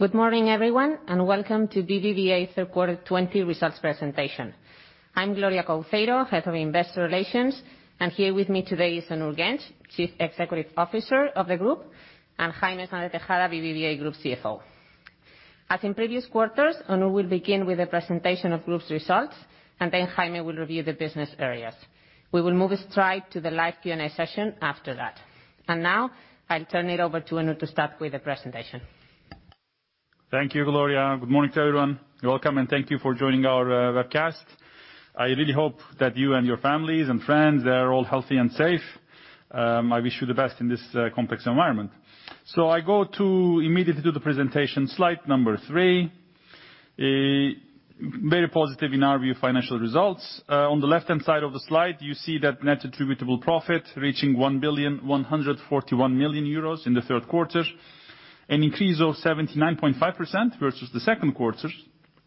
Good morning, everyone, welcome to BBVA third quarter 2020 results presentation. I'm Gloria Couceiro, Head of Investor Relations, here with me today is Onur Genç, Chief Executive Officer of the group, Jaime Sáenz de Tejada, BBVA Group CFO. As in previous quarters, Onur will begin with a presentation of group's results, then Jaime will review the business areas. We will move straight to the live Q&A session after that. Now, I'll turn it over to Onur to start with the presentation. Thank you, Gloria. Good morning to everyone. Welcome, and thank you for joining our webcast. I really hope that you and your families and friends are all healthy and safe. I wish you the best in this complex environment. I go to immediately to the presentation, slide number three. Very positive in our view, financial results. On the left-hand side of the slide, you see that net attributable profit reaching 1,141 million euros in the third quarter, an increase of 79.5% versus the second quarter,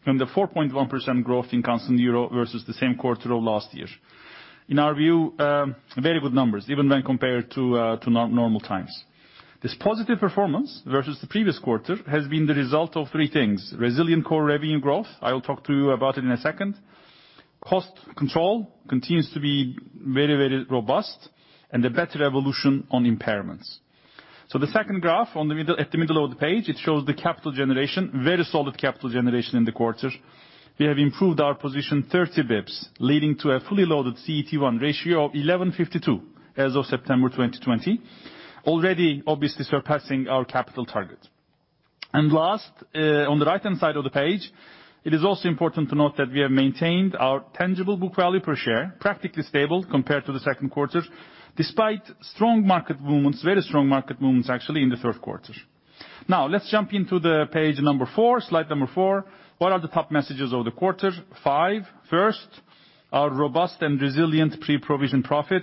and the 4.1% growth in constant EUR versus the same quarter of last year. In our view, very good numbers, even when compared to normal times. This positive performance versus the previous quarter has been the result of three things. Resilient core revenue growth, I will talk to you about it in a second. Cost control continues to be very robust, a better evolution on impairments. The second graph at the middle of the page, it shows the capital generation, very solid capital generation in the quarter. We have improved our position 30 basis points, leading to a fully loaded CET1 ratio of 11.52% as of September 2020. Already obviously surpassing our capital target. Last, on the right-hand side of the page, it is also important to note that we have maintained our tangible book value per share practically stable compared to the second quarter, despite strong market movements, very strong market movements, actually, in the third quarter. Let's jump into the page number four, slide number four. What are the top messages of the quarter? Five. First, our robust and resilient pre-provision profit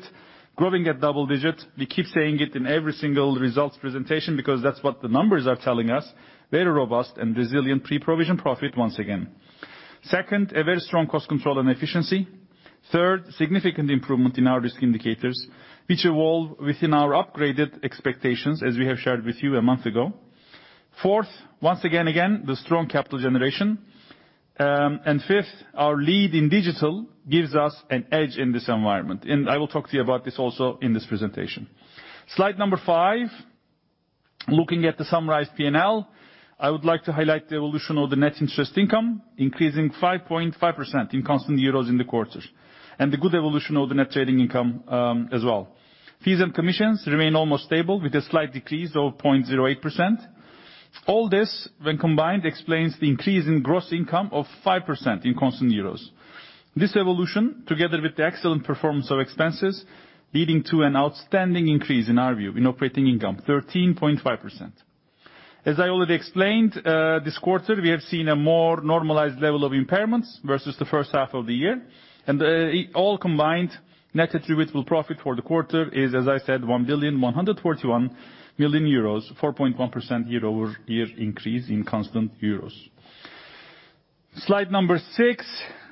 growing at double digits. We keep saying it in every single results presentation because that's what the numbers are telling us. Very robust and resilient pre-provision profit once again. Second, a very strong cost control and efficiency. Third, significant improvement in our risk indicators, which evolve within our upgraded expectations as we have shared with you a month ago. Fourth, once again, the strong capital generation. Fifth, our lead in digital gives us an edge in this environment. I will talk to you about this also in this presentation. Slide number five, looking at the summarized P&L. I would like to highlight the evolution of the net interest income, increasing 5.5% in constant EUR in the quarter, and the good evolution of the net trading income as well. Fees and commissions remain almost stable with a slight decrease of 0.08%. All this, when combined, explains the increase in gross income of 5% in constant EUR. This evolution, together with the excellent performance of expenses, leading to an outstanding increase, in our view, in operating income, 13.5%. As I already explained, this quarter, we have seen a more normalized level of impairments versus the first half of the year. All combined, net attributable profit for the quarter is, as I said, 1,141,000,000 euros, 4.1% year-over-year increase in constant EUR. Slide number six,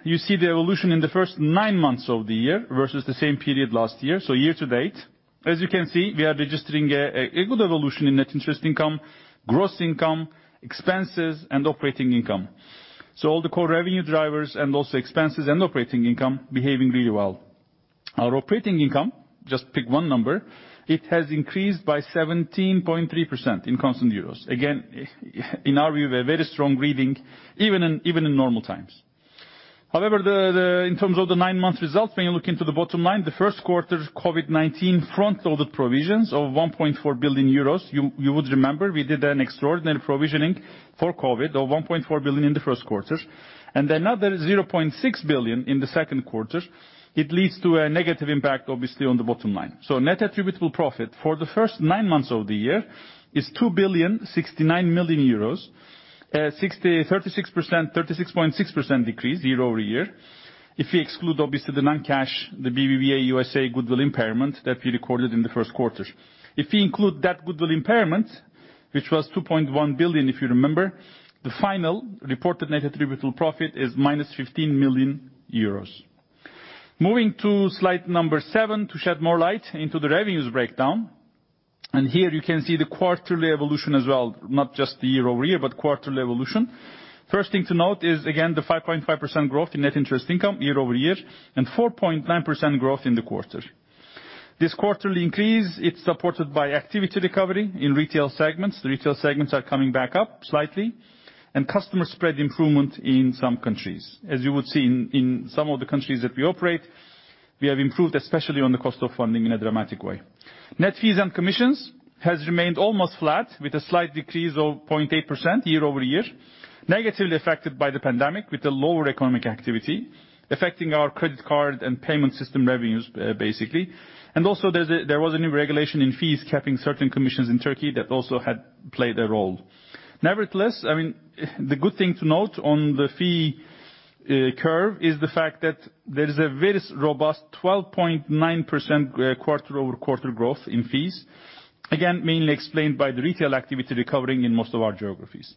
you see the evolution in the first nine months of the year versus the same period last year, so year to date. As you can see, we are registering a good evolution in net interest income, gross income, expenses, and operating income. All the core revenue drivers and also expenses and operating income behaving really well. Our operating income, just pick one number, it has increased by 17.3% in constant EUR. In our view, a very strong reading, even in normal times. In terms of the nine-month results, when you look into the bottom line, the first quarter COVID-19 front-loaded provisions of 1.4 billion euros. You would remember we did an extraordinary provisioning for COVID of 1.4 billion in the first quarter, and another 0.6 billion in the second quarter. It leads to a negative impact, obviously, on the bottom line. Net attributable profit for the first nine months of the year is EUR 2,069,000,000, 36.6% decrease year-over-year. If we exclude, obviously, the non-cash, the BBVA USA goodwill impairment that we recorded in the first quarter. If we include that goodwill impairment, which was 2.1 billion if you remember, the final reported net attributable profit is minus 15,000,000 euros. Moving to slide number seven to shed more light into the revenues breakdown. Here you can see the quarterly evolution as well, not just the year-over-year, but quarterly evolution. First thing to note is, again, the 5.5% growth in net interest income year-over-year, and 4.9% growth in the quarter. This quarterly increase, it's supported by activity recovery in retail segments. The retail segments are coming back up slightly, and customer spread improvement in some countries. As you would see in some of the countries that we operate, we have improved, especially on the cost of funding in a dramatic way. Net fees and commissions has remained almost flat with a slight decrease of 0.8% year-over-year, negatively affected by the pandemic with the lower economic activity, affecting our credit card and payment system revenues, basically. Also, there was a new regulation in fees capping certain commissions in Turkey that also had played a role. Nevertheless, the good thing to note on the fee curve is the fact that there is a very robust 12.9% quarter-over-quarter growth in fees. Again, mainly explained by the retail activity recovering in most of our geographies.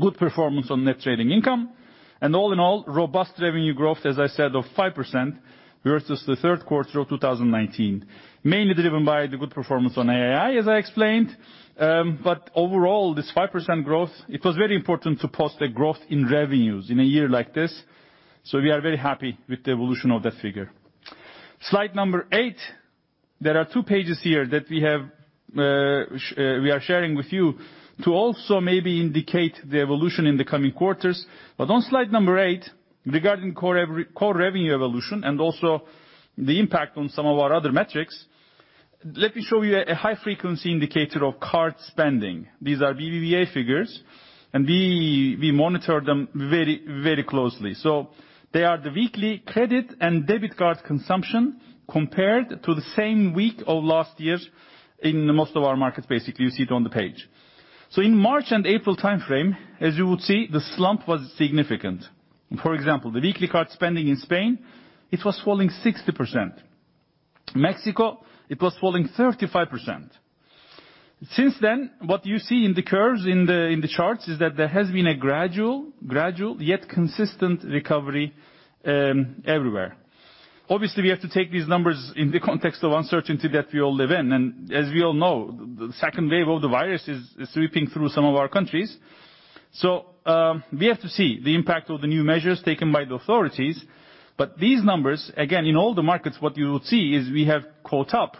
Good performance on net trading income. All in all, robust revenue growth, as I said, of 5% versus the third quarter of 2019, mainly driven by the good performance on NII, as I explained. Overall, this 5% growth, it was very important to post a growth in revenues in a year like this. We are very happy with the evolution of that figure. Slide number eight. There are two pages here that we are sharing with you to also maybe indicate the evolution in the coming quarters. On slide number eight, regarding core revenue evolution and also the impact on some of our other metrics, let me show you a high-frequency indicator of card spending. These are BBVA figures. We monitor them very closely. They are the weekly credit and debit card consumption compared to the same week of last year in most of our markets, basically, you see it on the page. In March and April timeframe, as you would see, the slump was significant. For example, the weekly card spending in Spain, it was falling 60%. Mexico, it was falling 35%. Since then, what you see in the curves in the charts is that there has been a gradual yet consistent recovery everywhere. We have to take these numbers in the context of uncertainty that we all live in, as we all know, the second wave of the virus is sweeping through some of our countries. We have to see the impact of the new measures taken by the authorities. These numbers, again, in all the markets, what you will see is we have caught up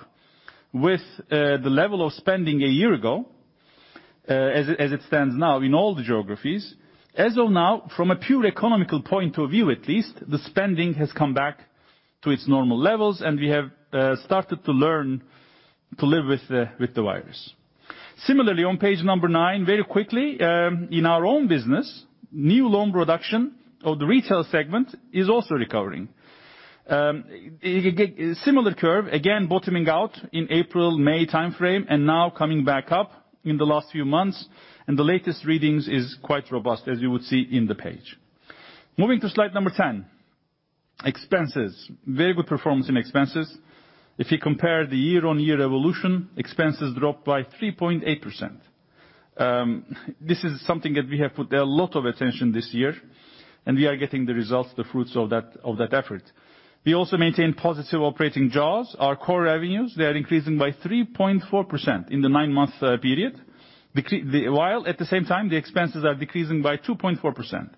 with the level of spending a year ago, as it stands now in all the geographies. As of now, from a pure economic point of view at least, the spending has come back to its normal levels, we have started to learn to live with the virus. Similarly, on page number nine, very quickly, in our own business, new loan production of the retail segment is also recovering. Similar curve, again, bottoming out in April, May timeframe, and now coming back up in the last few months, and the latest readings is quite robust, as you would see in the page. Moving to slide number 10, expenses. Very good performance in expenses. If you compare the year-on-year evolution, expenses dropped by 3.8%. This is something that we have put a lot of attention this year, and we are getting the results, the fruits of that effort. We also maintain positive operating jaws, our core revenues, they are increasing by 3.4% in the nine-month period. While at the same time, the expenses are decreasing by 2.4%.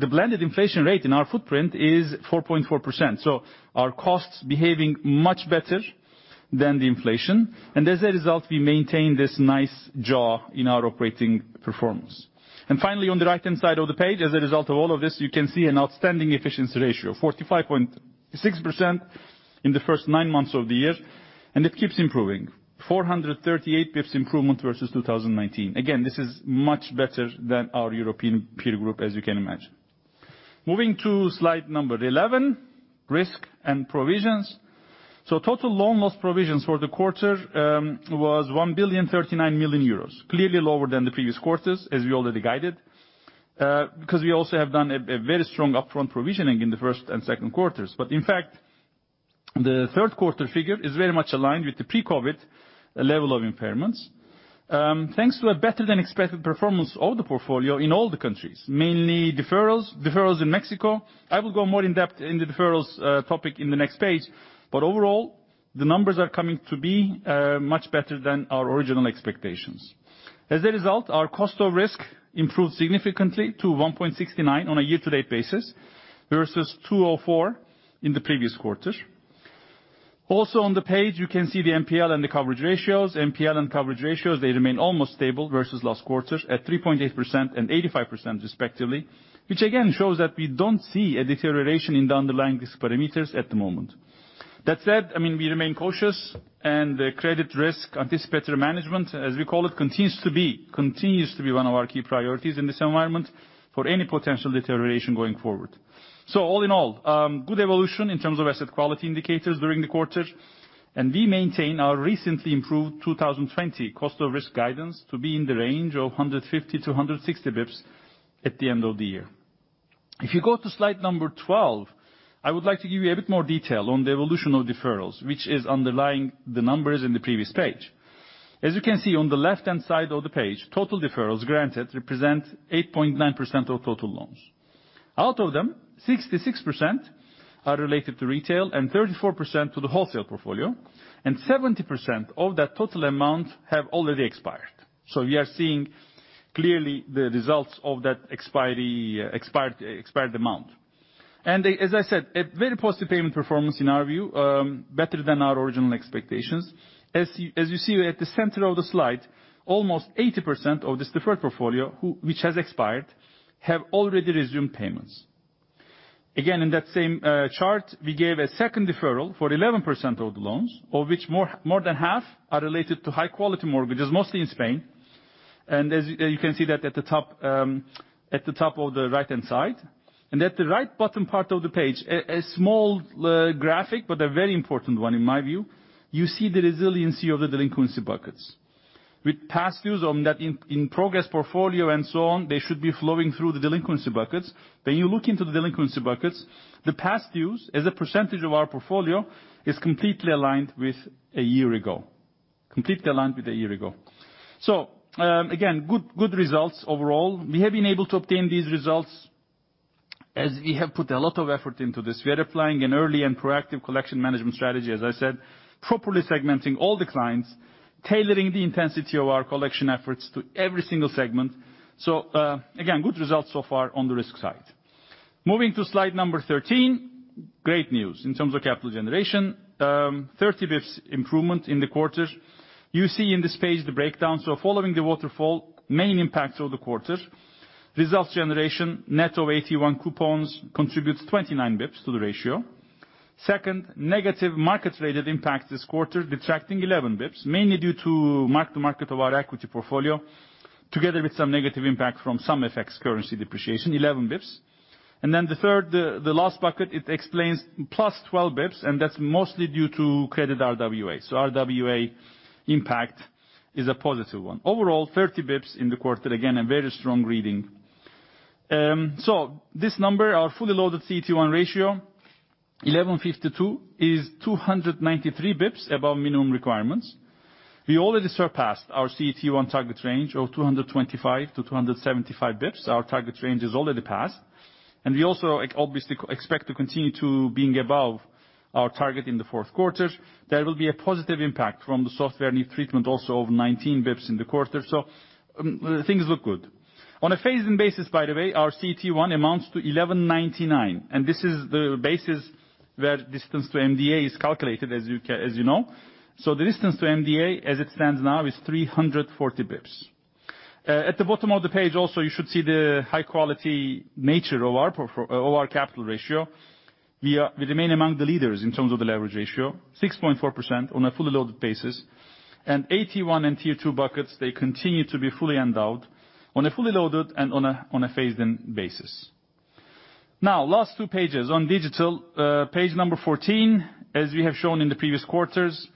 The blended inflation rate in our footprint is 4.4%. Our costs behaving much better than the inflation. As a result, we maintain this nice jaws in our operating performance. Finally, on the right-hand side of the page, as a result of all of this, you can see an outstanding efficiency ratio, 45.6% in the first nine months of the year, and it keeps improving. 438 basis points improvement versus 2019. Again, this is much better than our European peer group, as you can imagine. Moving to slide number 11, risk and provisions. Total loan loss provisions for the quarter was 1,039 million euros, clearly lower than the previous quarters, as we already guided. We also have done a very strong upfront provisioning in the first and second quarters. In fact, the third quarter figure is very much aligned with the pre-COVID level of impairments. Thanks to a better-than-expected performance of the portfolio in all the countries, mainly deferrals in Mexico. I will go more in-depth in the deferrals topic in the next page, but overall, the numbers are coming to be much better than our original expectations. As a result, our cost of risk improved significantly to 1.69 on a year-to-date basis, versus 2.04 in the previous quarter. Also on the page, you can see the NPL and the coverage ratios. NPL and coverage ratios, they remain almost stable versus last quarter at 3.8% and 85% respectively, which again shows that we don't see a deterioration in the underlying risk parameters at the moment. That said, we remain cautious and the credit risk anticipatory management, as we call it, continues to be one of our key priorities in this environment for any potential deterioration going forward. All in all, good evolution in terms of asset quality indicators during the quarter. We maintain our recently improved 2020 cost of risk guidance to be in the range of 150 to 160 basis points at the end of the year. If you go to slide number 12, I would like to give you a bit more detail on the evolution of deferrals, which is underlying the numbers in the previous page. As you can see on the left-hand side of the page, total deferrals granted represent 8.9% of total loans. Out of them, 66% are related to retail and 34% to the wholesale portfolio. 70% of that total amount have already expired. We are seeing clearly the results of that expired amount. As I said, a very positive payment performance in our view, better than our original expectations. As you see at the center of the slide, almost 80% of this deferred portfolio, which has expired, have already resumed payments. In that same chart, we gave a second deferral for 11% of the loans, of which more than half are related to high-quality mortgages, mostly in Spain. As you can see that at the top of the right-hand side. At the right bottom part of the page, a small graphic, but a very important one in my view. You see the resiliency of the delinquency buckets. With past dues on that in progress portfolio and so on, they should be flowing through the delinquency buckets. When you look into the delinquency buckets, the past dues, as a % of our portfolio, is completely aligned with a year ago. Completely aligned with a year ago. Again, good results overall. We have been able to obtain these results. As we have put a lot of effort into this, we are applying an early and proactive collection management strategy, as I said, properly segmenting all the clients, tailoring the intensity of our collection efforts to every single segment. Again, good results so far on the risk side. Moving to slide number 13, great news in terms of capital generation. 30 basis points improvement in the quarter. You see in this page the breakdown. Following the waterfall, main impacts of the quarter, results generation, net of AT1 coupons contributes 29 basis points to the ratio. Second, negative market-related impact this quarter, detracting 11 basis points, mainly due to mark to market of our equity portfolio, together with some negative impact from some effects currency depreciation, 11 basis points. The third, the last bucket, it explains +12 basis points, and that's mostly due to credit RWA. RWA impact is a positive one. Overall, 30 basis points in the quarter. Again, a very strong reading. This number, our fully loaded CET1 ratio, 11.52%, is 293 basis points above minimum requirements. We already surpassed our CET1 target range of 225-275 basis points. Our target range is already passed, we also obviously expect to continue to being above our target in the fourth quarter. There will be a positive impact from the software need treatment also of 19 basis points in the quarter. Things look good. On a phased-in basis, by the way, our CET1 amounts to 11.99%, this is the basis where distance to MDA is calculated, as you know. The distance to MDA as it stands now is 340 basis points. At the bottom of the page, you should see the high-quality nature of our capital ratio. We remain among the leaders in terms of the leverage ratio, 6.4% on a fully loaded basis. AT1 and tier 2 buckets, they continue to be fully endowed on a fully loaded and on a phased-in basis. Last two pages on digital, page 14. As we have shown in the previous quarters,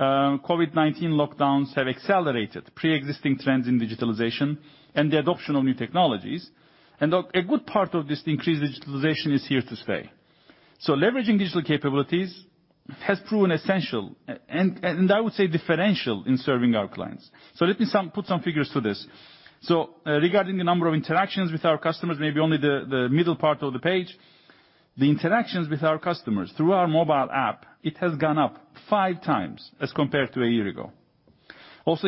COVID-19 lockdowns have accelerated preexisting trends in digitalization and the adoption of new technologies. A good part of this increased digitalization is here to stay. Leveraging digital capabilities has proven essential. I would say differential in serving our clients. Let me put some figures to this. Regarding the number of interactions with our customers, maybe only the middle part of the page, the interactions with our customers through our mobile app, it has gone up five times as compared to a year ago.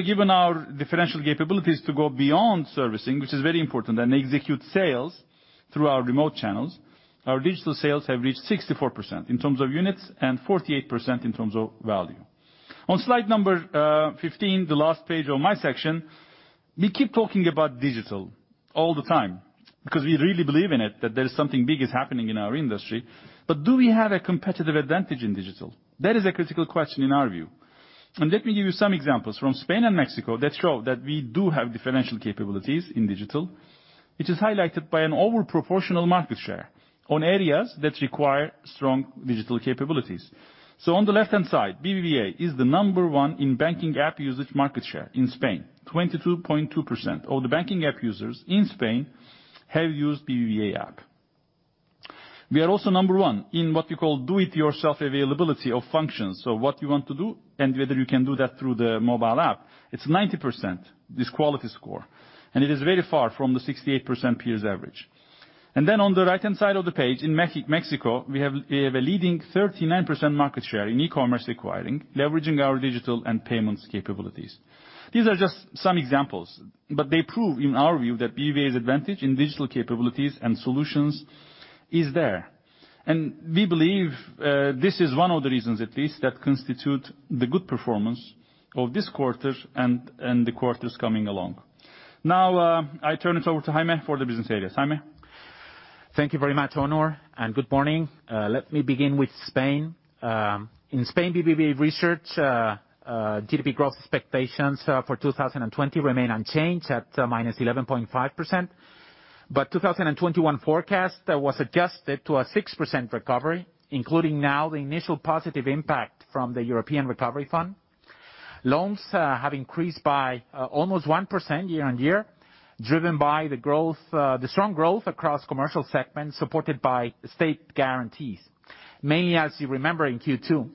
Given our differential capabilities to go beyond servicing, which is very important, and execute sales through our remote channels, our digital sales have reached 64% in terms of units and 48% in terms of value. On slide number 15, the last page of my section, we keep talking about digital all the time because we really believe in it, that there is something big is happening in our industry. Do we have a competitive advantage in digital? That is a critical question in our view. Let me give you some examples from Spain and Mexico that show that we do have differential capabilities in digital. It is highlighted by an overproportional market share on areas that require strong digital capabilities. On the left-hand side, BBVA is the number one in banking app usage market share in Spain. 22.2% of the banking app users in Spain have used BBVA app. We are also number one in what we call do it yourself availability of functions. What you want to do and whether you can do that through the mobile app. It's 90%, this quality score, and it is very far from the 68% peers average. On the right-hand side of the page, in Mexico, we have a leading 39% market share in e-commerce acquiring, leveraging our digital and payments capabilities. These are just some examples, but they prove in our view that BBVA's advantage in digital capabilities and solutions is there. We believe, this is one of the reasons, at least, that constitute the good performance of this quarter and the quarters coming along. I turn it over to Jaime for the business areas. Jaime? Thank you very much, Onur, good morning. Let me begin with Spain. In Spain, BBVA Research, GDP growth expectations for 2020 remain unchanged at -11.5%, but 2021 forecast was adjusted to a 6% recovery, including now the initial positive impact from the European Recovery Fund. Loans have increased by almost 1% year-on-year, driven by the strong growth across commercial segments supported by state guarantees. Mainly as you remember in Q2,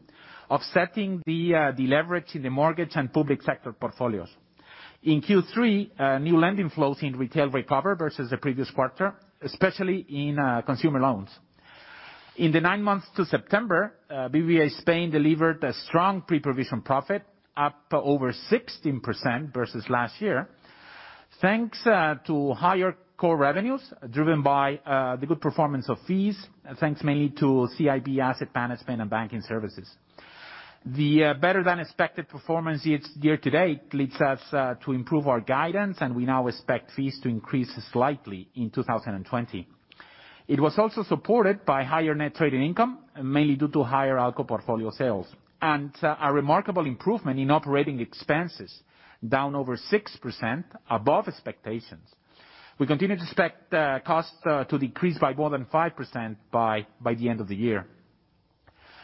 offsetting the leverage in the mortgage and public sector portfolios. In Q3, new lending flows in retail recover versus the previous quarter, especially in consumer loans. In the nine months to September, BBVA Spain delivered a strong pre-provision profit up over 16% versus last year, thanks to higher core revenues driven by the good performance of fees, thanks mainly to CIB asset management and banking services. The better-than-expected performance year-to-date leads us to improve our guidance, and we now expect fees to increase slightly in 2020. It was also supported by higher net trading income, mainly due to higher ALCO portfolio sales and a remarkable improvement in operating expenses, down over 6% above expectations. We continue to expect costs to decrease by more than 5% by the end of the year.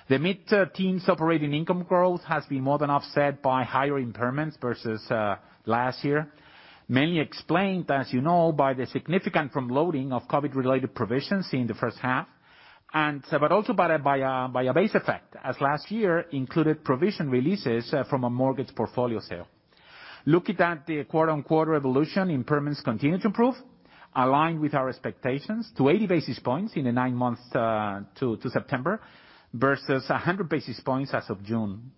The mid-teens operating income growth has been more than offset by higher impairments versus last year, mainly explained, as you know, by the significant front-loading of COVID-related provisions in the first half, but also by a base effect, as last year included provision releases from a mortgage portfolio sale. Looking at the quarter-on-quarter evolution, impairments continue to improve, aligned with our expectations to 80 basis points in the nine months to September, versus 100 basis points as of June.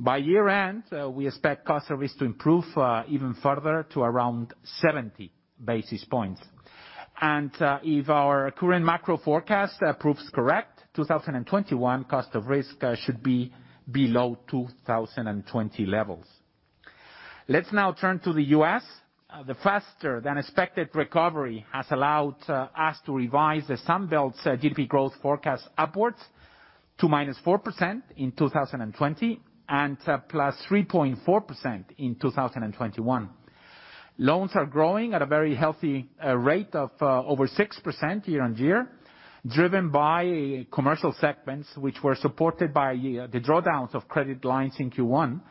By year-end, we expect cost of risk to improve even further to around 70 basis points. If our current macro forecast proves correct, 2021 cost of risk should be below 2020 levels. Let's now turn to the U.S. The faster than expected recovery has allowed us to revise the Sun Belt's GDP growth forecast upwards to minus 4% in 2020, and plus 3.4% in 2021. Loans are growing at a very healthy rate of over 6% year-on-year, driven by commercial segments, which were supported by the drawdowns of credit lines in Q1,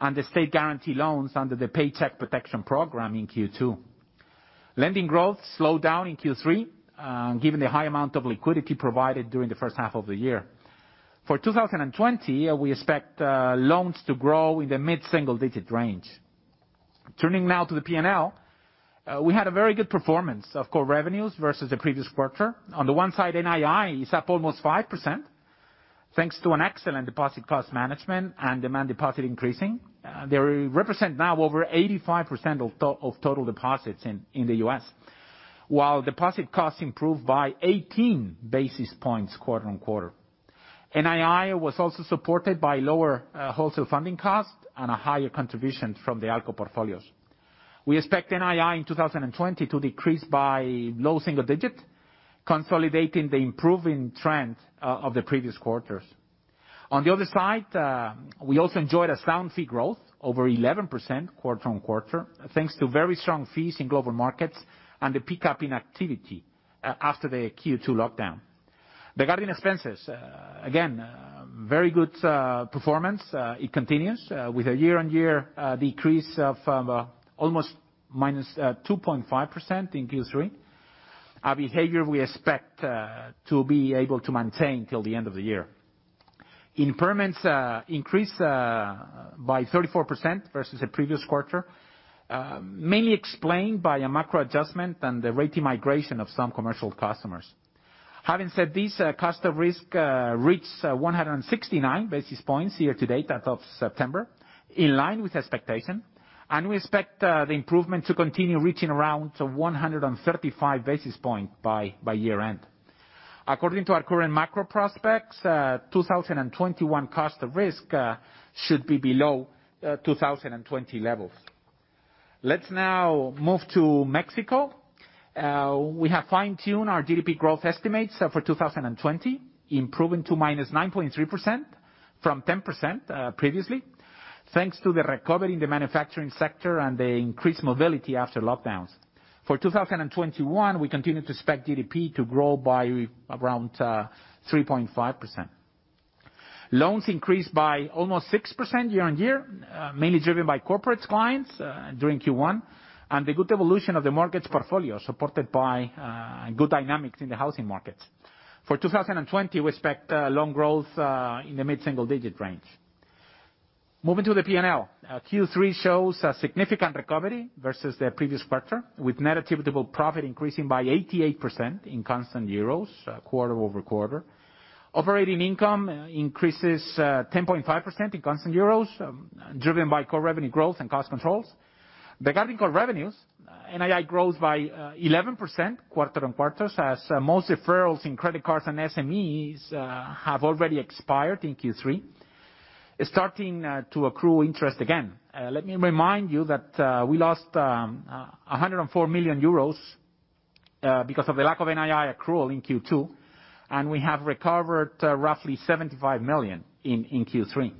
and the state guarantee loans under the Paycheck Protection Program in Q2. Lending growth slowed down in Q3, given the high amount of liquidity provided during the first half of the year. For 2020, we expect loans to grow in the mid-single digit range. Turning now to the P&L. We had a very good performance of core revenues versus the previous quarter. On the one side, NII is up almost 5%, thanks to an excellent deposit cost management and demand deposit increasing. They represent now over 85% of total deposits in the U.S., while deposit costs improved by 18 basis points quarter-on-quarter. NII was also supported by lower wholesale funding costs and a higher contribution from the ALCO portfolios. We expect NII in 2020 to decrease by low single digits, consolidating the improving trend of the previous quarters. On the other side, we also enjoyed a sound fee growth, over 11% quarter-on-quarter, thanks to very strong fees in global markets and the pickup in activity after the Q2 lockdown. Regarding expenses, again, very good performance. It continues with a year-on-year decrease of almost minus 2.5% in Q3, a behavior we expect to be able to maintain till the end of the year. Impairments increased by 34% versus the previous quarter, mainly explained by a macro adjustment and the rating migration of some commercial customers. Having said this, cost of risk reached 169 basis points year-to-date, that of September, in line with expectation, and we expect the improvement to continue reaching around to 135 basis points by year-end. According to our current macro prospects, 2021 cost of risk should be below 2020 levels. Let's now move to Mexico. We have fine-tuned our GDP growth estimates for 2020, improving to -9.3% from 10% previously, thanks to the recovery in the manufacturing sector and the increased mobility after lockdowns. For 2021, we continue to expect GDP to grow by around 3.5%. Loans increased by almost 6% year-on-year, mainly driven by corporates clients during Q1, and the good evolution of the mortgage portfolio, supported by good dynamics in the housing market. For 2020, we expect loan growth in the mid-single digit range. Moving to the P&L. Q3 shows a significant recovery versus the previous quarter, with net attributable profit increasing by 88% in constant EUR, quarter-over-quarter. Operating income increases 10.5% in constant EUR, driven by core revenue growth and cost controls. Regarding core revenues, NII grows by 11% quarter-on-quarter, as most deferrals in credit cards and SMEs have already expired in Q3, starting to accrue interest again. Let me remind you that we lost 104 million euros because of the lack of NII accrual in Q2, and we have recovered roughly 75 million in Q3.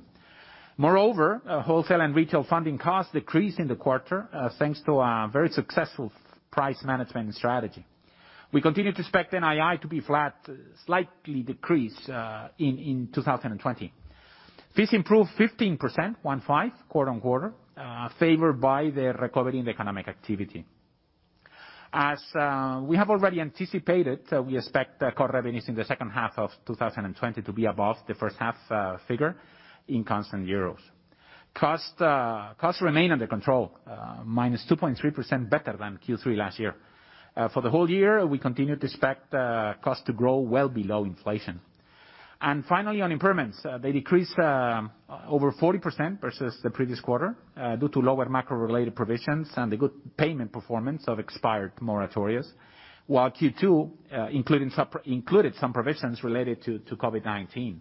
Moreover, wholesale and retail funding costs decreased in the quarter, thanks to a very successful price management strategy. We continue to expect NII to be flat, slightly decreased in 2020. Fees improved 15%, one five, quarter-on-quarter, favored by the recovery in economic activity. As we have already anticipated, we expect core revenues in the second half of 2020 to be above the first half figure in constant euros. Costs remain under control, -2.3% better than Q3 last year. For the whole year, we continue to expect cost to grow well below inflation. Finally, on impairments, they decreased over 40% versus the previous quarter due to lower macro-related provisions and the good payment performance of expired moratorias, while Q2 included some provisions related to COVID-19.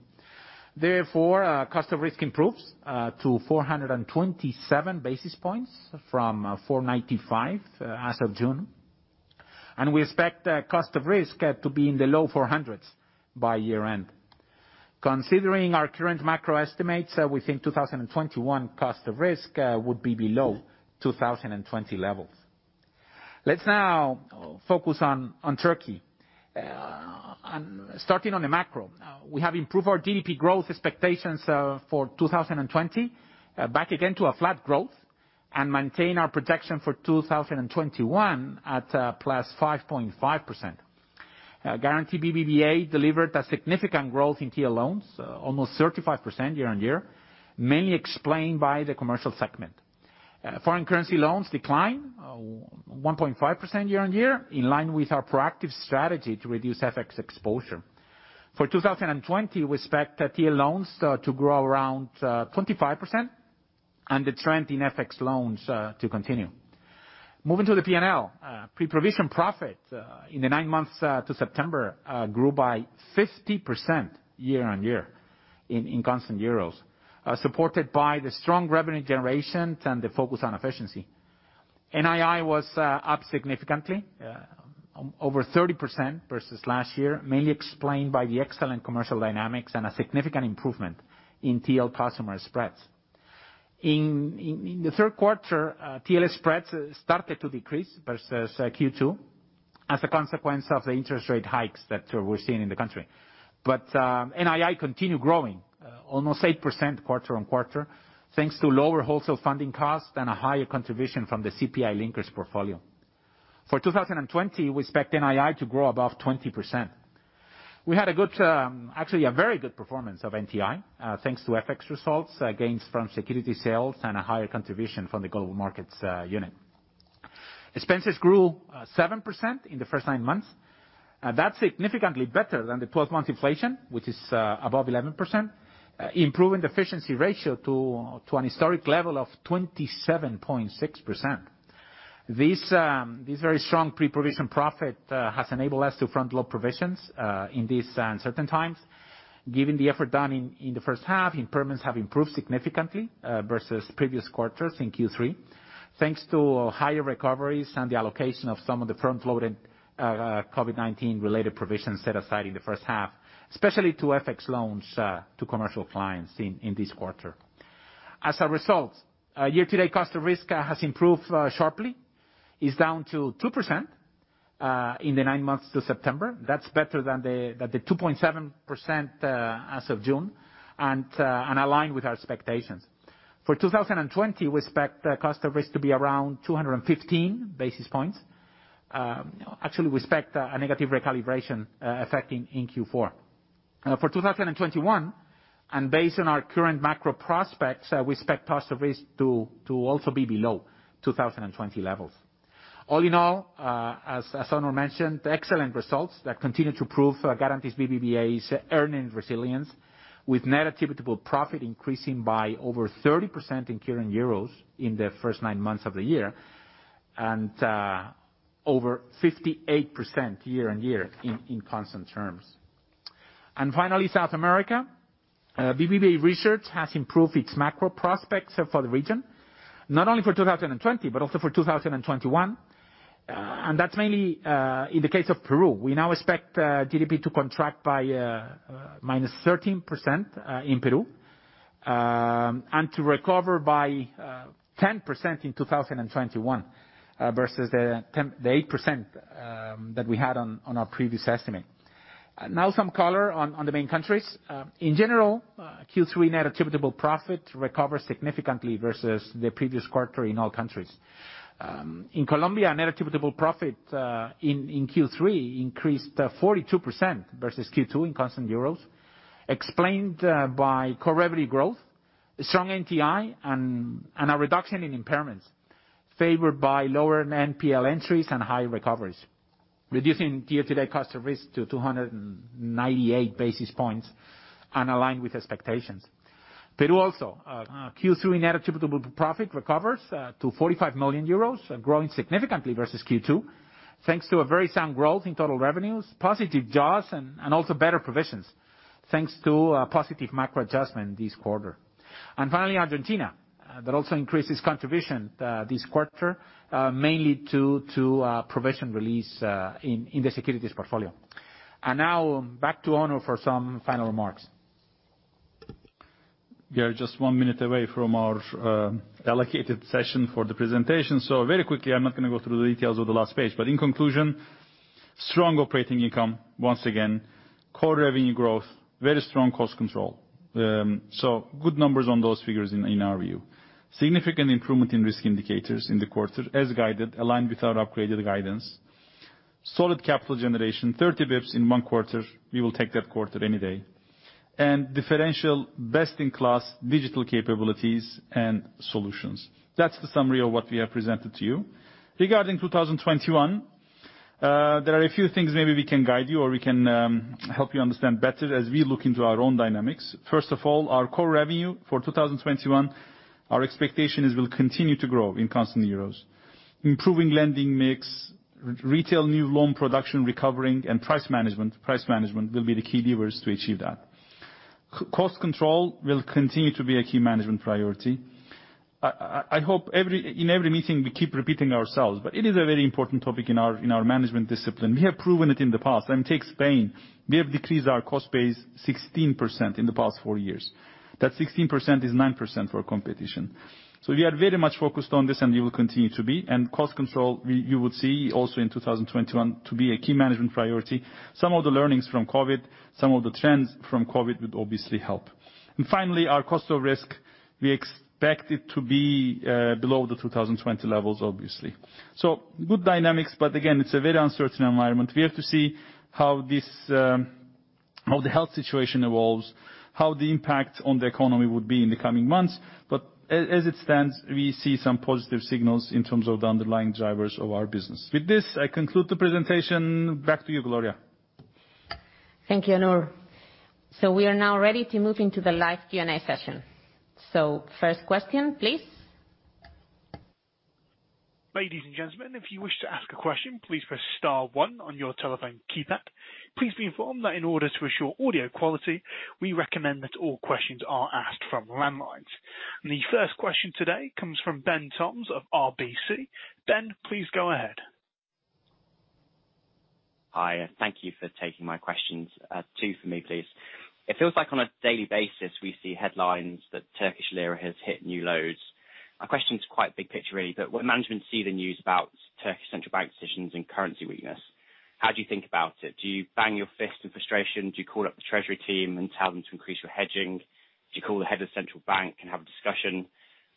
Cost of risk improves to 427 basis points from 495 as of June, and we expect cost of risk to be in the low 400s by year-end. Considering our current macro estimates, we think 2021 cost of risk would be below 2020 levels. Let's now focus on Turkey. Starting on the macro. We have improved our GDP growth expectations for 2020 back again to a flat growth, and maintain our projection for 2021 at +5.5%. Garanti BBVA delivered a significant growth in TL loans, almost 35% year-on-year, mainly explained by the commercial segment. Foreign currency loans decline 1.5% year-on-year in line with our proactive strategy to reduce FX exposure. For 2020, we expect TL loans to grow around 25% and the trend in FX loans to continue. Moving to the P&L. Pre-provision profit in the nine months to September grew by 50% year-on-year in constant EUR, supported by the strong revenue generation and the focus on efficiency. NII was up significantly, over 30% versus last year, mainly explained by the excellent commercial dynamics and a significant improvement in TL customer spreads. In the third quarter, TL spreads started to decrease versus Q2 as a consequence of the interest rate hikes that we're seeing in the country. NII continued growing almost 8% quarter-on-quarter, thanks to lower wholesale funding costs and a higher contribution from the CPI linkers portfolio. For 2020, we expect NII to grow above 20%. We had actually, a very good performance of NTI thanks to FX results, gains from security sales, and a higher contribution from the global markets unit. Expenses grew 7% in the first nine months. That's significantly better than the 12-month inflation, which is above 11%, improving the efficiency ratio to an historic level of 27.6%. This very strong pre-provision profit has enabled us to front-load provisions in these uncertain times. Given the effort done in the first half, impairments have improved significantly versus previous quarters in Q3, thanks to higher recoveries and the allocation of some of the front-loaded COVID-19 related provisions set aside in the first half, especially to FX loans to commercial clients in this quarter. As a result, year-to-date cost of risk has improved sharply, is down to 2% in the nine months to September. That's better than the 2.7% as of June and aligned with our expectations. For 2020, we expect cost of risk to be around 215 basis points. Actually, we expect a negative recalibration effect in Q4. For 2021, based on our current macro prospects, we expect cost of risk to also be below 2020 levels. All in all, as Onur mentioned, excellent results that continue to prove Garanti BBVA's earnings resilience, with net attributable profit increasing by over 30% in current EUR in the first nine months of the year, and over 58% year-on-year in constant terms. Finally, South America. BBVA Research has improved its macro prospects for the region, not only for 2020, but also for 2021. That's mainly in the case of Peru. We now expect GDP to contract by -13% in Peru, and to recover by 10% in 2021 versus the 8% that we had on our previous estimate. Now some color on the main countries. In general, Q3 net attributable profit recovered significantly versus the previous quarter in all countries. In Colombia, net attributable profit in Q3 increased 42% versus Q2 in constant EUR, explained by core revenue growth, strong NTI, and a reduction in impairments favored by lower NPL entries and high recoveries, reducing year-to-date cost of risk to 298 basis points and aligned with expectations. Peru also. Q3 net attributable profit recovers to 45 million euros, growing significantly versus Q2 thanks to a very sound growth in total revenues, positive jaws, and also better provisions, thanks to a positive macro adjustment this quarter. Finally, Argentina, that also increases contribution this quarter, mainly due to provision release in the securities portfolio. Now back to Onur for some final remarks. We are just one minute away from our allocated session for the presentation. Very quickly, I'm not going to go through the details of the last page. In conclusion, strong operating income, once again, core revenue growth, very strong cost control. Good numbers on those figures in our view. Significant improvement in risk indicators in the quarter as guided, aligned with our upgraded guidance. Solid capital generation, 30 basis points in one quarter. We will take that quarter any day. Differential best-in-class digital capabilities and solutions. That's the summary of what we have presented to you. Regarding 2021, there are a few things maybe we can guide you or we can help you understand better as we look into our own dynamics. First of all, our core revenue for 2021, our expectation is we'll continue to grow in constant euros. Improving lending mix, retail new loan production recovering, and price management will be the key levers to achieve that. Cost control will continue to be a key management priority. I hope in every meeting we keep repeating ourselves, but it is a very important topic in our management discipline. We have proven it in the past, and it takes pain. We have decreased our cost base 16% in the past four years. That 16% is 9% for competition. We are very much focused on this, and we will continue to be. Cost control, you will see also in 2021 to be a key management priority. Some of the learnings from COVID, some of the trends from COVID would obviously help. Finally, our cost of risk, we expect it to be below the 2020 levels, obviously. Good dynamics, but again, it's a very uncertain environment. We have to see how the health situation evolves, how the impact on the economy would be in the coming months. As it stands, we see some positive signals in terms of the underlying drivers of our business. With this, I conclude the presentation. Back to you, Gloria. Thank you, Onur. We are now ready to move into the live Q&A session. First question please. Ladies and Gentlemen if you wish to ask a question please press star one on your telephone keypad. Please be inform that in order to assure your audio quality we recommend that all questions are ask from. The first question today comes from Ben Toms of RBC. Ben, please go ahead. Hi, thank you for taking my questions. Two for me, please. It feels like on a daily basis we see headlines that Turkish lira has hit new lows. My question is quite big picture, really, but when management see the news about Turkish Central Bank decisions and currency weakness, how do you think about it? Do you bang your fist in frustration? Do you call up the treasury team and tell them to increase your hedging? Do you call the head of central bank and have a discussion?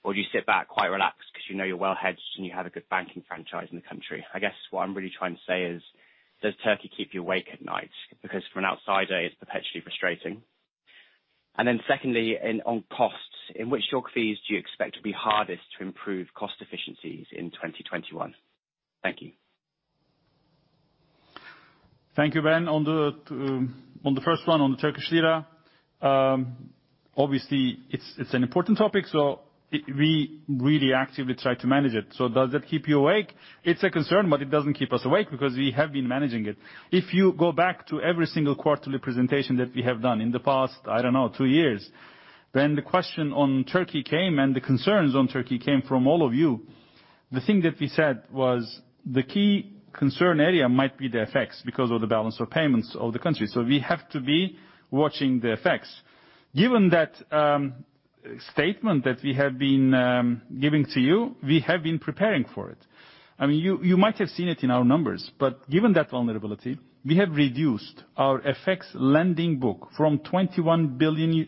Do you sit back quite relaxed because you know you're well hedged and you have a good banking franchise in the country? I guess what I'm really trying to say is, does Turkey keep you awake at night? From an outsider, it's perpetually frustrating. Secondly, on costs, in which your fees do you expect to be hardest to improve cost efficiencies in 2021? Thank you. Thank you, Ben. On the first one, on the Turkish lira, obviously it's an important topic, we really actively try to manage it. Does that keep you awake? It's a concern, but it doesn't keep us awake because we have been managing it. If you go back to every single quarterly presentation that we have done in the past, I don't know, two years, Ben, the question on Turkey came, and the concerns on Turkey came from all of you. The thing that we said was the key concern area might be the FX because of the balance of payments of the country. We have to be watching the FX. Given that statement that we have been giving to you, we have been preparing for it. You might have seen it in our numbers, given that vulnerability, we have reduced our FX lending book from $21 billion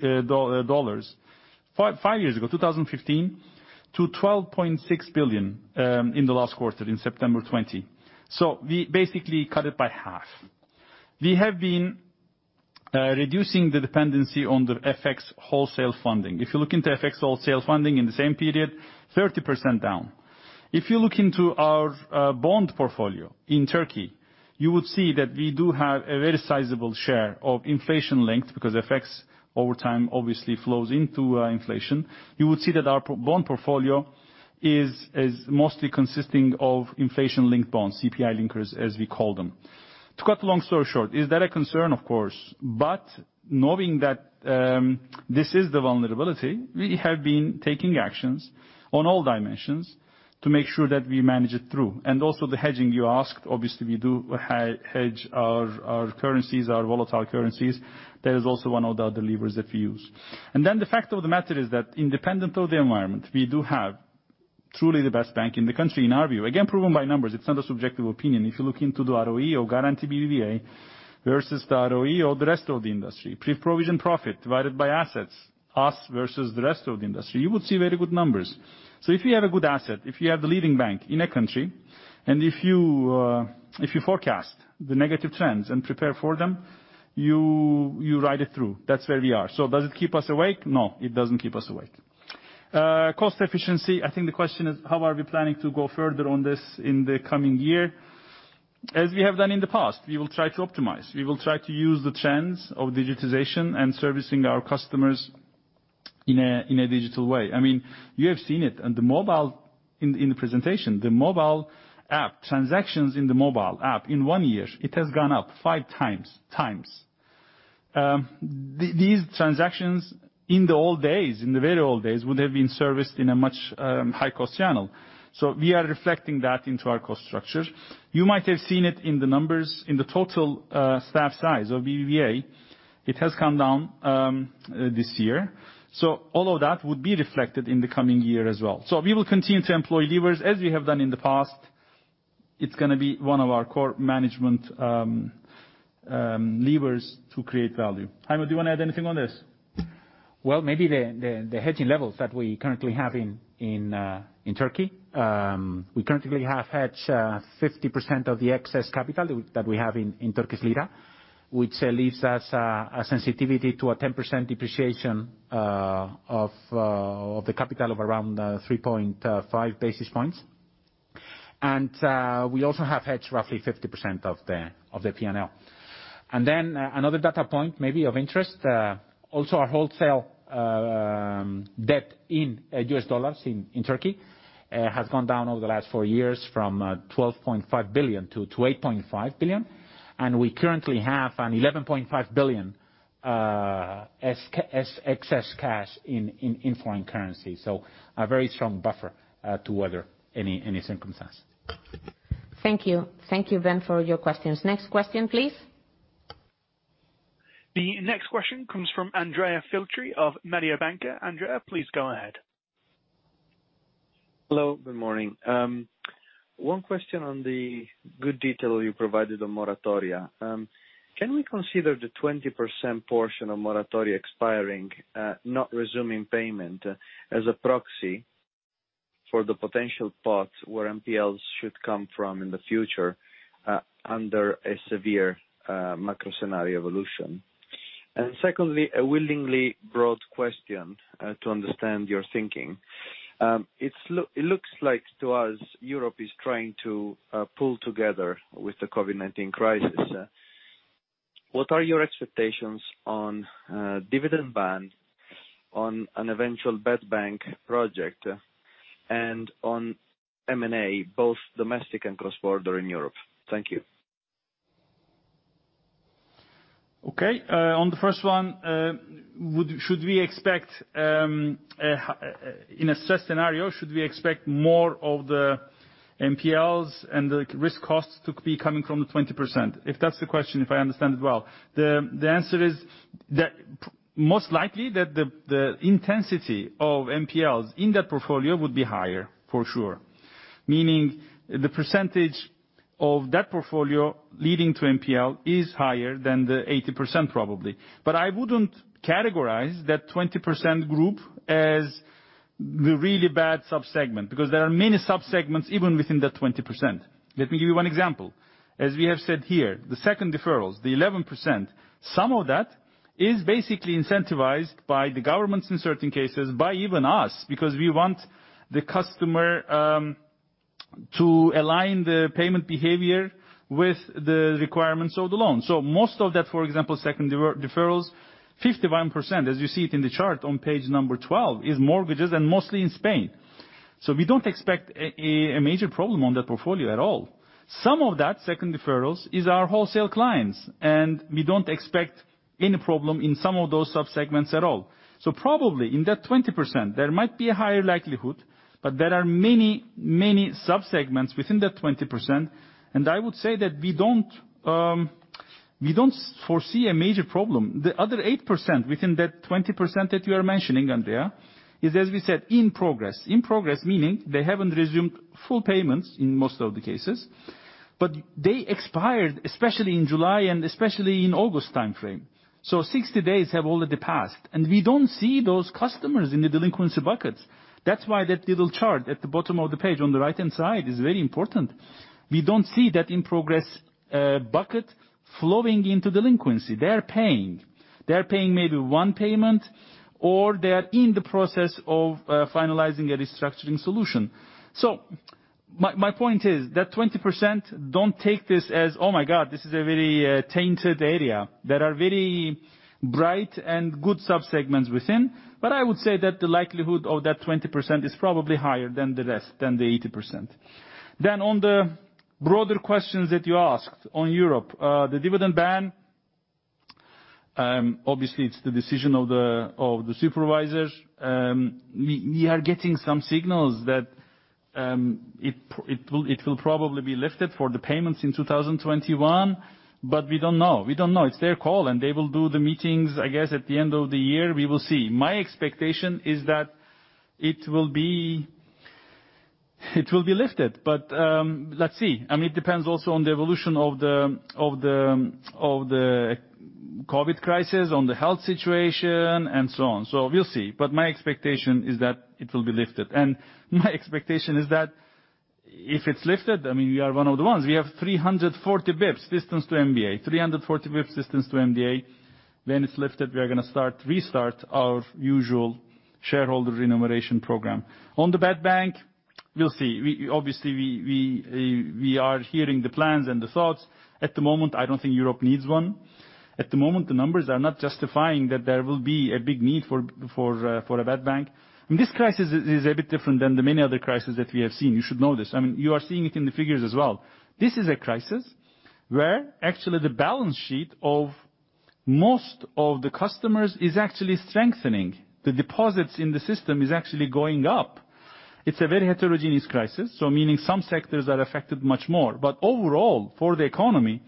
five years ago, 2015, to $12.6 billion in the last quarter in September 2020. We basically cut it by half. We have been reducing the dependency on the FX wholesale funding. If you look into FX wholesale funding in the same period, 30% down. If you look into our bond portfolio in Turkey, you would see that we do have a very sizable share of inflation linked, because FX over time obviously flows into inflation. You would see that our bond portfolio is mostly consisting of inflation-linked bonds, CPI linkers, as we call them. To cut a long story short, is that a concern? Of course. Knowing that this is the vulnerability, we have been taking actions on all dimensions to make sure that we manage it through. Also the hedging you asked, obviously we do hedge our currencies, our volatile currencies. That is also one of the other levers that we use. The fact of the matter is that independent of the environment, we do have truly the best bank in the country, in our view. Again, proven by numbers, it is not a subjective opinion. If you look into the ROE or Garanti BBVA versus the ROE of the rest of the industry, pre-provision profit divided by assets, us versus the rest of the industry, you would see very good numbers. If you have a good asset, if you have the leading bank in a country, and if you forecast the negative trends and prepare for them, you ride it through. That's where we are. Does it keep us awake? No, it doesn't keep us awake. Cost efficiency, I think the question is how are we planning to go further on this in the coming year? As we have done in the past, we will try to optimize. We will try to use the trends of digitization and servicing our customers in a digital way. You have seen it in the presentation, the mobile app, transactions in the mobile app in one year, it has gone up five times. These transactions in the old days, in the very old days, would have been serviced in a much high-cost channel. We are reflecting that into our cost structure. You might have seen it in the numbers, in the total staff size of BBVA, it has come down this year. All of that would be reflected in the coming year as well. We will continue to employ levers as we have done in the past. It's going to be one of our core management levers to create value. Jaime, do you want to add anything on this? Well, maybe the hedging levels that we currently have in Turkey. We currently have hedged 50% of the excess capital that we have in Turkish lira, which leaves us a sensitivity to a 10% depreciation of the capital of around 3.5 basis points. Another data point maybe of interest, also our wholesale debt in US dollars in Turkey, has gone down over the last four years from $12.5 billion-$8.5 billion. We currently have an $11.5 billion excess cash in foreign currency. A very strong buffer to weather any circumstance. Thank you. Thank you, Ben, for your questions. Next question please. The next question comes from Andrea Filtri of Mediobanca. Andrea, please go ahead. Hello, good morning. One question on the good detail you provided on moratorias. Can we consider the 20% portion of moratorias expiring, not resuming payment as a proxy for the potential parts where NPLs should come from in the future under a severe macro scenario evolution. Secondly, a willingly broad question to understand your thinking. It looks like to us, Europe is trying to pull together with the COVID-19 crisis. What are your expectations on dividend ban on an eventual bad bank project and on M&A, both domestic and cross-border in Europe? Thank you. On the first one, in a stress scenario, should we expect more of the NPLs and the risk costs to be coming from the 20%? If that's the question, if I understand well. The answer is that most likely, that the intensity of NPLs in that portfolio would be higher, for sure. Meaning the percentage of that portfolio leading to NPL is higher than the 80%, probably. I wouldn't categorize that 20% group as the really bad sub-segment, because there are many sub-segments even within that 20%. Let me give you one example. As we have said here, the second deferrals, the 11%, some of that is basically incentivized by the governments in certain cases, by even us, because we want the customer to align the payment behavior with the requirements of the loan. Most of that, for example, second deferrals, 51%, as you see it in the chart on page number 12, is mortgages and mostly in Spain. We don't expect a major problem on that portfolio at all. Some of that second deferrals is our wholesale clients, and we don't expect any problem in some of those sub-segments at all. Probably in that 20%, there might be a higher likelihood, but there are many sub-segments within that 20%, and I would say that we don't foresee a major problem. The other 8% within that 20% that you are mentioning, Andrea, is, as we said, in progress. In progress, meaning they haven't resumed full payments in most of the cases, but they expired, especially in July and especially in August timeframe. 60 days have already passed. We don't see those customers in the delinquency buckets. That's why that little chart at the bottom of the page on the right-hand side is very important. We don't see that in progress bucket flowing into delinquency. They're paying. They're paying maybe one payment, or they are in the process of finalizing a restructuring solution. My point is that 20% don't take this as, oh my god, this is a very tainted area. There are very bright and good sub-segments within. I would say that the likelihood of that 20% is probably higher than the rest, than the 80%. On the broader questions that you asked on Europe, the dividend ban, obviously, it's the decision of the supervisors. We are getting some signals that it will probably be lifted for the payments in 2021, but we don't know. It's their call, and they will do the meetings, I guess, at the end of the year. We will see. My expectation is that it will be lifted. Let's see. It depends also on the evolution of the COVID crisis, on the health situation, and so on. We'll see. My expectation is that it will be lifted. My expectation is that if it's lifted, we are one of the ones. We have 340 basis points, distance to MDA. 340 basis points distance to MDA. When it's lifted, we are going to restart our usual shareholder remuneration program. On the bad bank, we'll see. Obviously, we are hearing the plans and the thoughts. At the moment, I don't think Europe needs one. At the moment, the numbers are not justifying that there will be a big need for a bad bank. This crisis is a bit different than the many other crises that we have seen. You should know this. You are seeing it in the figures as well. This is a crisis where actually the balance sheet of most of the customers is actually strengthening. The deposits in the system is actually going up. It's a very heterogeneous crisis, so meaning some sectors are affected much more. Overall, for the economy,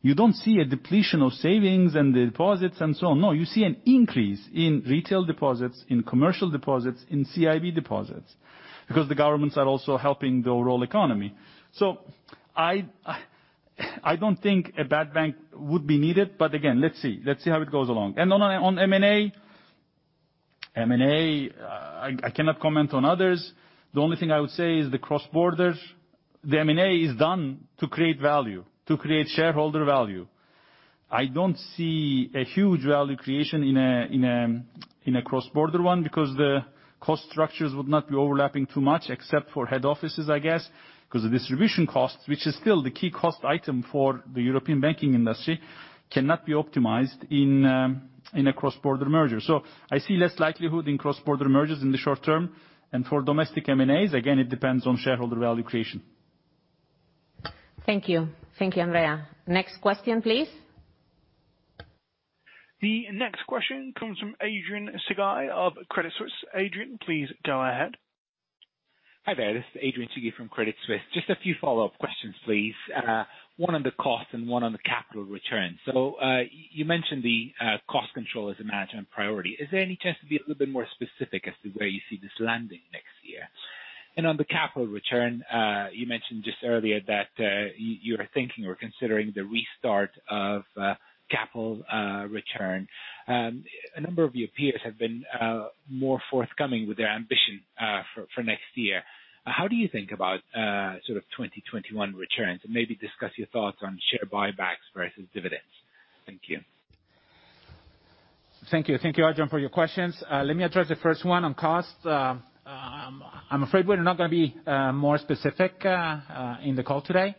you don't see a depletion of savings and the deposits and so on. You see an increase in retail deposits, in commercial deposits, in CIB deposits. The governments are also helping the overall economy. I don't think a bad bank would be needed. Again, let's see. Let's see how it goes along. On M&A, I cannot comment on others. The only thing I would say is the cross-border, the M&A is done to create value, to create shareholder value. I don't see a huge value creation in a cross-border one because the cost structures would not be overlapping too much except for head offices, I guess, because the distribution costs, which is still the key cost item for the European banking industry, cannot be optimized in a cross-border merger. I see less likelihood in cross-border mergers in the short term. For domestic M&As, again, it depends on shareholder value creation. Thank you. Thank you, Andrea. Next question, please. The next question comes from Adrian Cighi of Credit Suisse. Adrian, please go ahead. Hi there. This is Adrian Cighi from Credit Suisse. Just a few follow-up questions, please. One on the cost and one on the capital return. You mentioned the cost control as a management priority. Is there any chance to be a little bit more specific as to where you see this landing next year? On the capital return, you mentioned just earlier that you are thinking or considering the restart of capital return. A number of your peers have been more forthcoming with their ambition for next year. How do you think about 2021 returns and maybe discuss your thoughts on share buybacks versus dividends? Thank you. Thank you. Thank you, Adrian, for your questions. Let me address the first one on cost. I'm afraid we're not going to be more specific in the call today.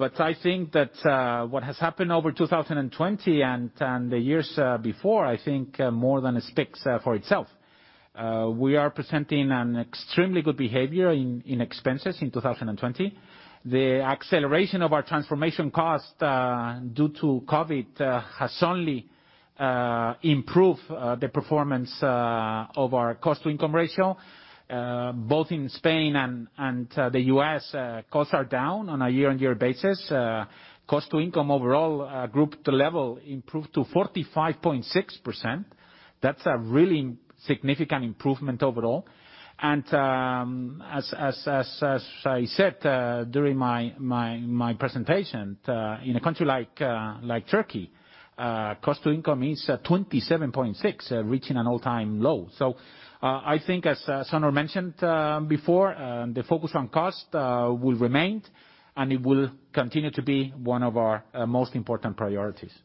I think that what has happened over 2020 and the years before, I think, more than speaks for itself. We are presenting an extremely good behavior in expenses in 2020. The acceleration of our transformation cost due to COVID has only improved the performance of our cost-to-income ratio. Both in Spain and the U.S., costs are down on a year-on-year basis. Cost-to-income overall, group level improved to 45.6%. That's a really significant improvement overall. As I said during my presentation, in a country like Turkey, cost-to-income is 27.6%, reaching an all-time low. I think as Onur mentioned before, the focus on cost will remain, and it will continue to be one of our most important priorities.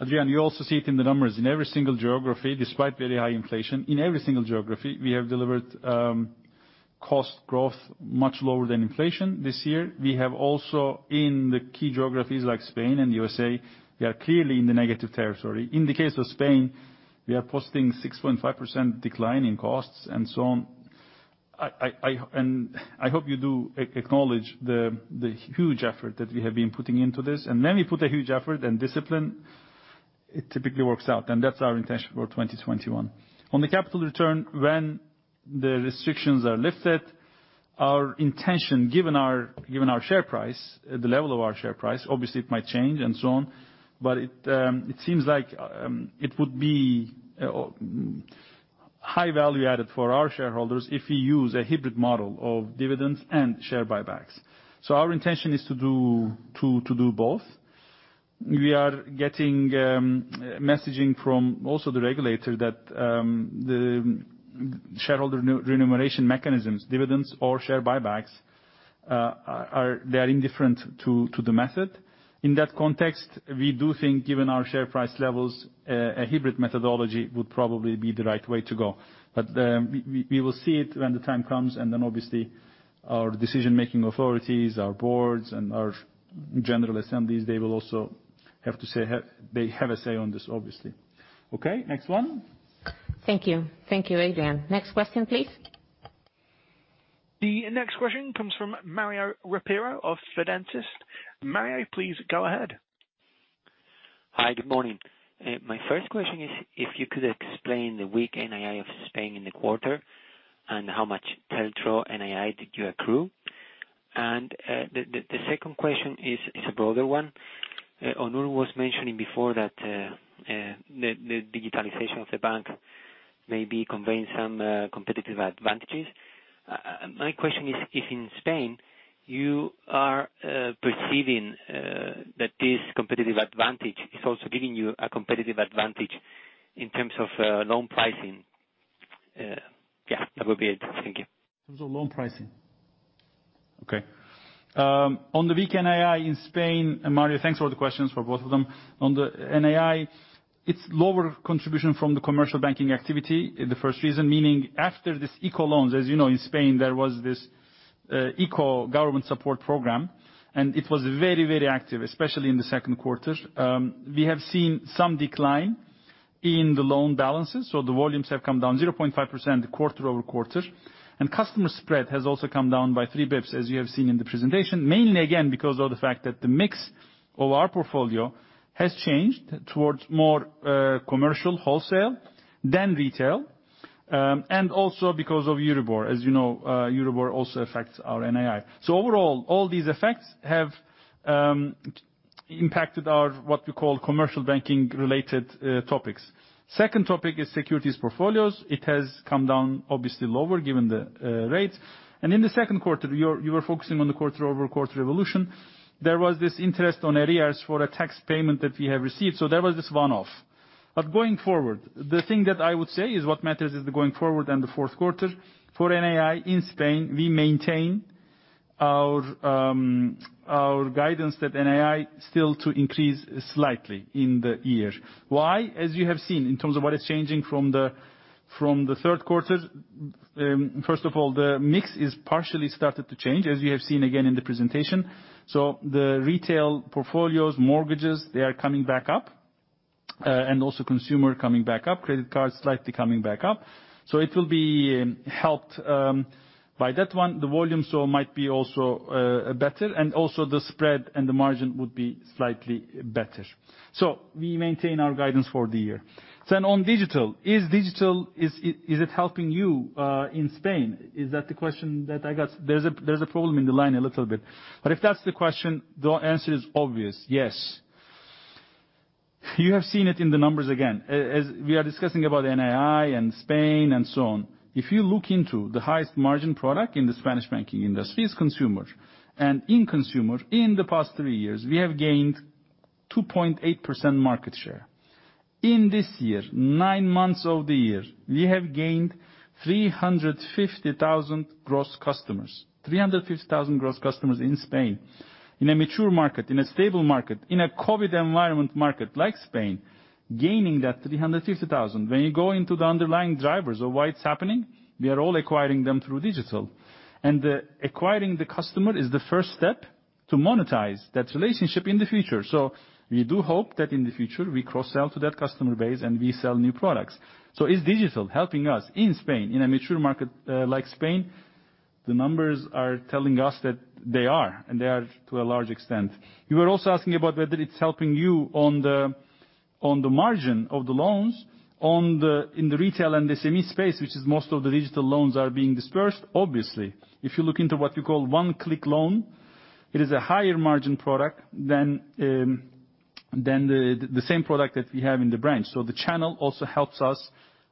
Adrian, you also see it in the numbers in every single geography, despite very high inflation. In every single geography, we have delivered cost growth much lower than inflation this year. We have also, in the key geographies like Spain and USA, we are clearly in the negative territory. In the case of Spain, we are posting 6.5% decline in costs, and so on. I hope you do acknowledge the huge effort that we have been putting into this. When we put a huge effort and discipline, it typically works out. That's our intention for 2021. On the capital return, when the restrictions are lifted, our intention, given our share price, the level of our share price, obviously it might change and so on. It seems like it would be high value added for our shareholders if we use a hybrid model of dividends and share buybacks. Our intention is to do both. We are getting messaging from also the regulator that the shareholder remuneration mechanisms, dividends or share buybacks, they are indifferent to the method. In that context, we do think, given our share price levels, a hybrid methodology would probably be the right way to go. We will see it when the time comes, obviously our decision-making authorities, our boards, and our general assemblies, they have a say on this, obviously. Okay, next one. Thank you. Thank you, Adrian. Next question, please. The next question comes from Mario Ropero of Fidentiis. Mario, please go ahead. Hi, good morning. My first question is if you could explain the weak NII of Spain in the quarter and how much TLTRO NII did you accrue? The second question is a broader one. Onur was mentioning before that the digitalization of the bank may be conveying some competitive advantages. My question is, if in Spain you are perceiving that this competitive advantage is also giving you a competitive advantage in terms of loan pricing. Yeah, that would be it. Thank you. In terms of loan pricing. Okay. On the weak NII in Spain, Mario, thanks for all the questions for both of them. On the NII, it's lower contribution from the commercial banking activity, the first reason. Meaning after this ICO loans, as you know, in Spain, there was this ICO government support program, and it was very active, especially in the second quarter. We have seen some decline in the loan balances. The volumes have come down 0.5% quarter-over-quarter. Customer spread has also come down by three basis points, as you have seen in the presentation. Mainly, again, because of the fact that the mix of our portfolio has changed towards more commercial wholesale than retail, and also because of Euribor. As you know, Euribor also affects our NII. Overall, all these FX have impacted our, what we call commercial banking related topics. Second topic is securities portfolios. It has come down obviously lower given the rates. In the second quarter, you were focusing on the quarter-over-quarter evolution. There was this interest on arrears for a tax payment that we have received. There was this one-off. Going forward, the thing that I would say is what matters is the going forward and the fourth quarter. For NII in Spain, we maintain our guidance that NII still to increase slightly in the year. Why? As you have seen in terms of what is changing from the third quarter, first of all, the mix is partially started to change, as you have seen again in the presentation. Also consumer coming back up, credit cards slightly coming back up. It will be helped by that one. The volume might be also better, and also the spread and the margin would be slightly better. We maintain our guidance for the year. On digital, is digital helping you in Spain? Is that the question that I got? There's a problem in the line a little bit. If that's the question, the answer is obvious, yes. You have seen it in the numbers again, as we are discussing about NII and Spain and so on. If you look into the highest margin product in the Spanish banking industry is consumer. In consumer, in the past three years, we have gained 2.8% market share. In this year, nine months of the year, we have gained 350,000 gross customers. 350,000 gross customers in Spain, in a mature market, in a stable market, in a COVID environment market like Spain, gaining that 350,000. When you go into the underlying drivers of why it's happening, we are all acquiring them through digital. Acquiring the customer is the first step to monetize that relationship in the future. We do hope that in the future, we cross-sell to that customer base and we sell new products. Is digital helping us in Spain, in a mature market like Spain? The numbers are telling us that they are, and they are to a large extent. You were also asking about whether it's helping you on the margin of the loans in the retail and the SME space, which is most of the digital loans are being dispersed. Obviously. If you look into what you call one-click loan, it is a higher margin product than the same product that we have in the branch. The channel also helps us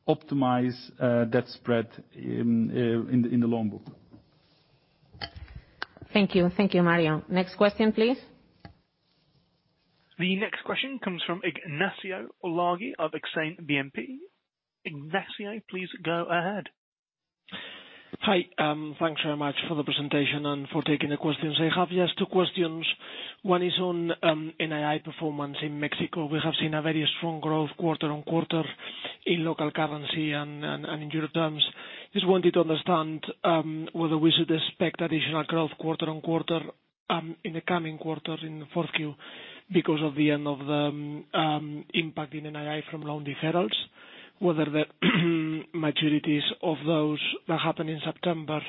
optimize that spread in the loan book. Thank you. Thank you, Mario. Next question, please. The next question comes from Ignacio Ulargui of Exane BNP. Ignacio, please go ahead. Hi. Thanks very much for the presentation and for taking the questions. I have just two questions. One is on NII performance in Mexico. We have seen a very strong growth quarter-on-quarter in local currency and in EUR terms. Just wanted to understand, whether we should expect additional growth quarter-on-quarter, in the coming quarters in the 4Q because of the end of the impact in NII from loan deferrals, whether the maturities of those that happened in September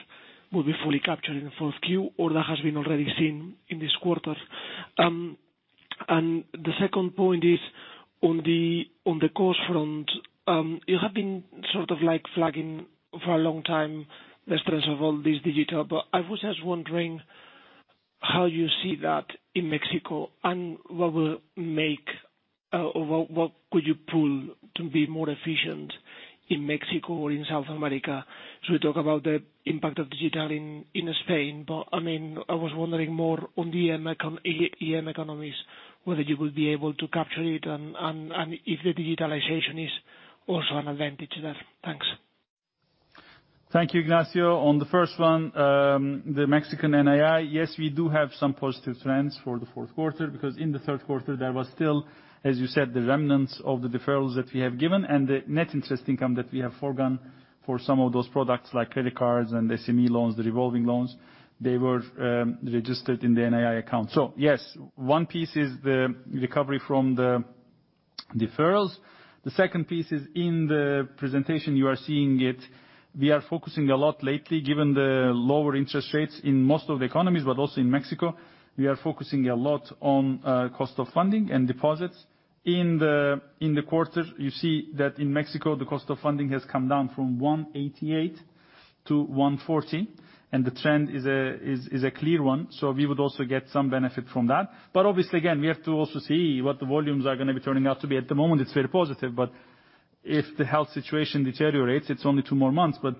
will be fully captured in the 4Q or that has been already seen in this quarter. The second point is on the cost front, you have been sort of flagging for a long time the strengths of all this digital, but I was just wondering how you see that in Mexico and what could you pull to be more efficient in Mexico or in South America? We talk about the impact of digital in Spain, but I was wondering more on the EM economies, whether you would be able to capture it and if the digitalization is also an advantage there. Thanks. Thank you, Ignacio. On the first one, the Mexican NII, yes, we do have some positive trends for the fourth quarter because in the third quarter there was still, as you said, the remnants of the deferrals that we have given and the net interest income that we have foregone for some of those products, like credit cards and SME loans, the revolving loans, they were registered in the NII account. Yes, one piece is the recovery from the deferrals. The second piece is in the presentation you are seeing it. We are focusing a lot lately, given the lower interest rates in most of the economies, but also in Mexico. We are focusing a lot on cost of funding and deposits. In the quarter, you see that in Mexico, the cost of funding has come down from 188 to 140. The trend is a clear one. We would also get some benefit from that. Obviously, again, we have to also see what the volumes are going to be turning out to be. At the moment, it's very positive, but if the health situation deteriorates, it's only two more months, but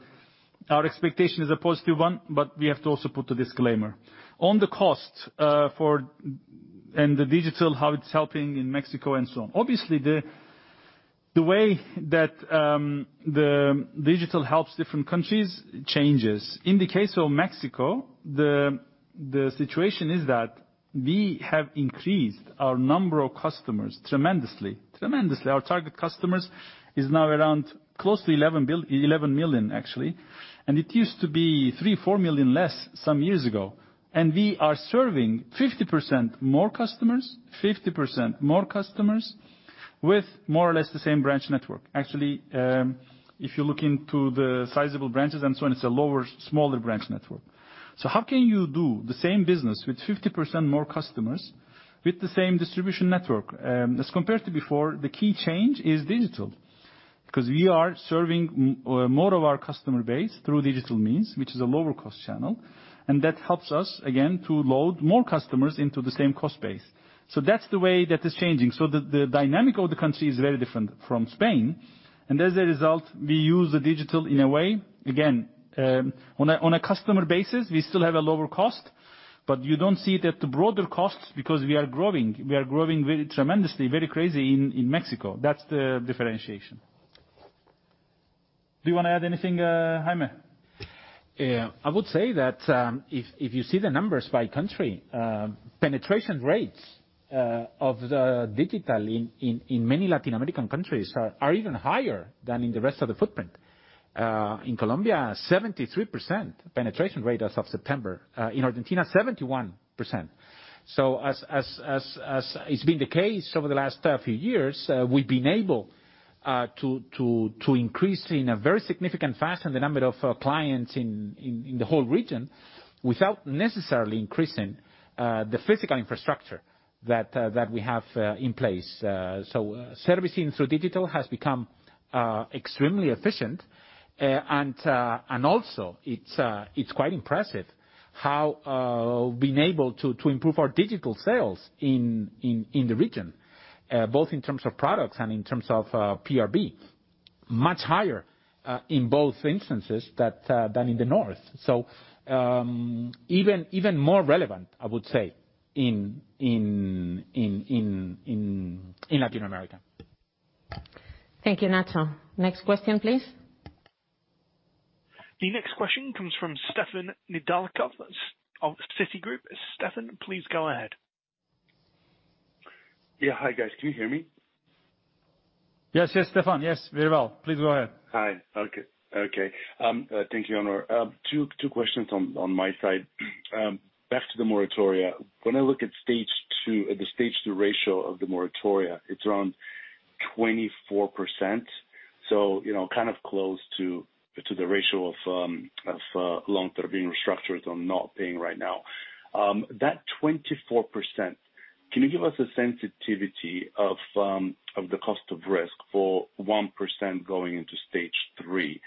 our expectation is a positive one, but we have to also put a disclaimer. On the cost, and the digital, how it's helping in Mexico and so on. Obviously, the way that the digital helps different countries changes. In the case of Mexico, the situation is that we have increased our number of customers tremendously. Tremendously. Our target customers is now around closely 11 million, actually. It used to be three, four million less some years ago. We are serving 50% more customers with more or less the same branch network. Actually, if you look into the sizable branches and so on, it's a lower, smaller branch network. How can you do the same business with 50% more customers with the same distribution network? As compared to before, the key change is digital. We are serving more of our customer base through digital means, which is a lower cost channel, and that helps us, again, to load more customers into the same cost base. That's the way that is changing. The dynamic of the country is very different from Spain. As a result, we use the digital in a way, again, on a customer basis, we still have a lower cost, but you don't see it at the broader costs because we are growing. We are growing tremendously, very crazy in Mexico. That's the differentiation. Do you want to add anything, Jaime? I would say that, if you see the numbers by country, penetration rates of the digital in many Latin American countries are even higher than in the rest of the footprint. In Colombia, 73% penetration rate as of September. In Argentina, 71%. As it's been the case over the last few years, we've been able to increase in a very significant fashion the number of clients in the whole region without necessarily increasing the physical infrastructure that we have in place. Servicing through digital has become extremely efficient. Also it's quite impressive how we've been able to improve our digital sales in the region, both in terms of products and in terms of PRV. Much higher in both instances than in the North. Even more relevant, I would say, in Latin America. Thank you, Ignacio. Next question, please. The next question comes from Stefan Nedialkov of Citigroup. Stefan, please go ahead. Yeah. Hi, guys. Can you hear me? Yes, Stefan. Yes, very well. Please go ahead. Hi. Okay. Thank you, Onur. Two questions on my side. Back to the moratorias. When I look at the Stage 2 ratio of the moratorias, it's around 24%. Kind of close to the ratio of loans that are being restructured or not paying right now. That 24%, can you give us a sensitivity of the cost of risk for 1% going into Stage 3?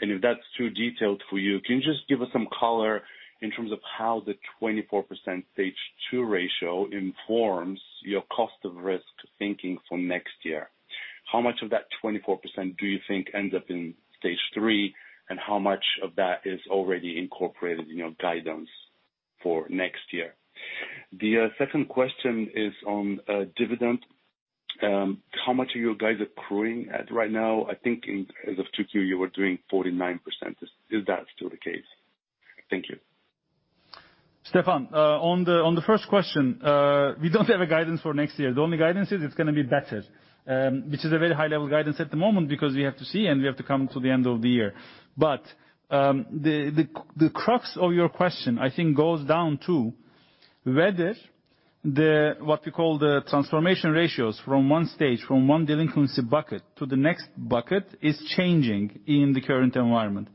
If that's too detailed for you, can you just give us some color in terms of how the 24% Stage 2 ratio informs your cost of risk thinking for next year? How much of that 24% do you think ends up in Stage 3, and how much of that is already incorporated in your guidance for next year? The second question is on dividend. How much are you guys accruing at right now? I think as of 2Q, you were doing 49%. Is that still the case? Thank you. Stefan, on the first question, we don't have a guidance for next year. The only guidance is it's going to be better, which is a very high-level guidance at the moment because we have to see, and we have to come to the end of the year. The crux of your question, I think, goes down to whether, what we call the transformation ratios from one stage, from one delinquency bucket to the next bucket, is changing in the current environment.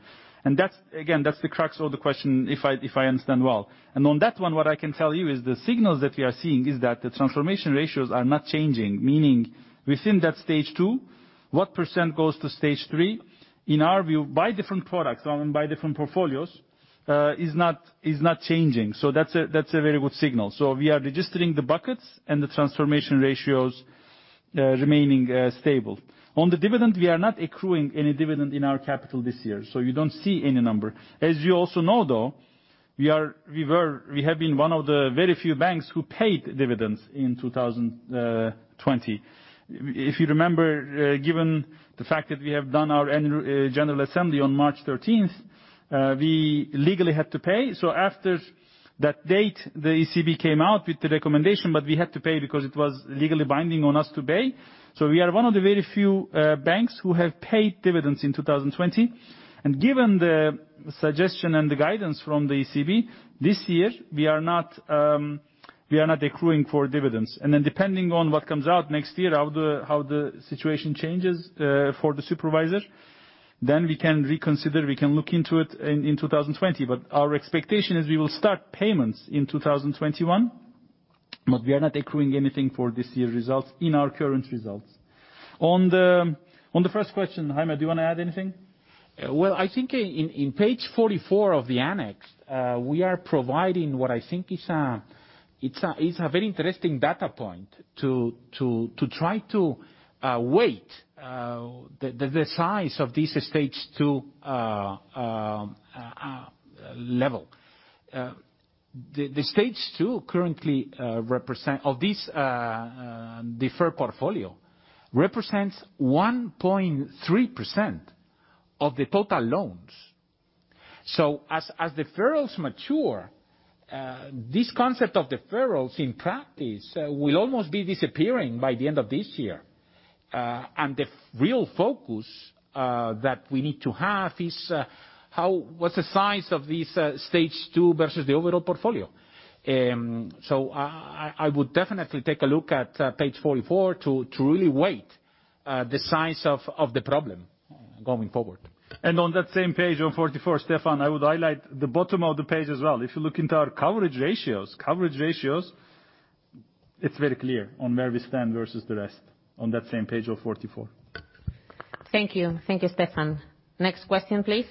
Again, that's the crux of the question, if I understand well. On that one, what I can tell you is the signals that we are seeing is that the transformation ratios are not changing. Meaning within that Stage 2, what % goes to Stage 3, in our view, by different products and by different portfolios, is not changing. That's a very good signal. We are registering the buckets and the transformation ratios remaining stable. On the dividend, we are not accruing any dividend in our capital this year, you don't see any number. As you also know, though, we have been one of the very few banks who paid dividends in 2020. If you remember, given the fact that we have done our annual general assembly on March 13, we legally had to pay. After that date, the ECB came out with the recommendation, but we had to pay because it was legally binding on us to pay. We are one of the very few banks who have paid dividends in 2020. Given the suggestion and the guidance from the ECB, this year, we are not accruing for dividends. Depending on what comes out next year, how the situation changes for the supervisor, then we can reconsider, we can look into it in 2020. Our expectation is we will start payments in 2021, but we are not accruing anything for this year's results in our current results. On the first question, Jaime, do you want to add anything? Well, I think in page 44 of the annex, we are providing what I think is a very interesting data point to try to weight the size of this Stage 2 level. The Stage 2 currently represent of this defer portfolio, represents 1.3% of the total loans. As deferrals mature, this concept of deferrals in practice will almost be disappearing by the end of this year. And the real focus that we need to have is, what's the size of this Stage 2 versus the overall portfolio? I would definitely take a look at page 44 to really weight the size of the problem going forward. On that same page, on 44, Stefan, I would highlight the bottom of the page as well. If you look into our coverage ratios, it is very clear on where we stand versus the rest on that same page of 44. Thank you. Thank you, Stefan. Next question, please.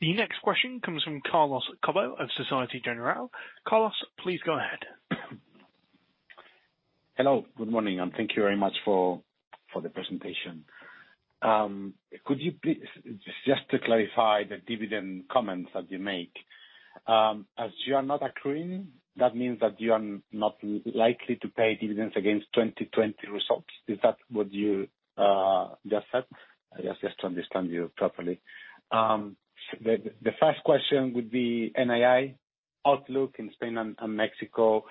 The next question comes from Carlos Cobo of Société Générale. Carlos, please go ahead. Hello. Good morning, and thank you very much for the presentation. Just to clarify the dividend comments that you make. As you are not accruing, that means that you are not likely to pay dividends against 2020 results. Is that what you just said? Just to understand you properly. The first question would be NII outlook in Spain and Mexico.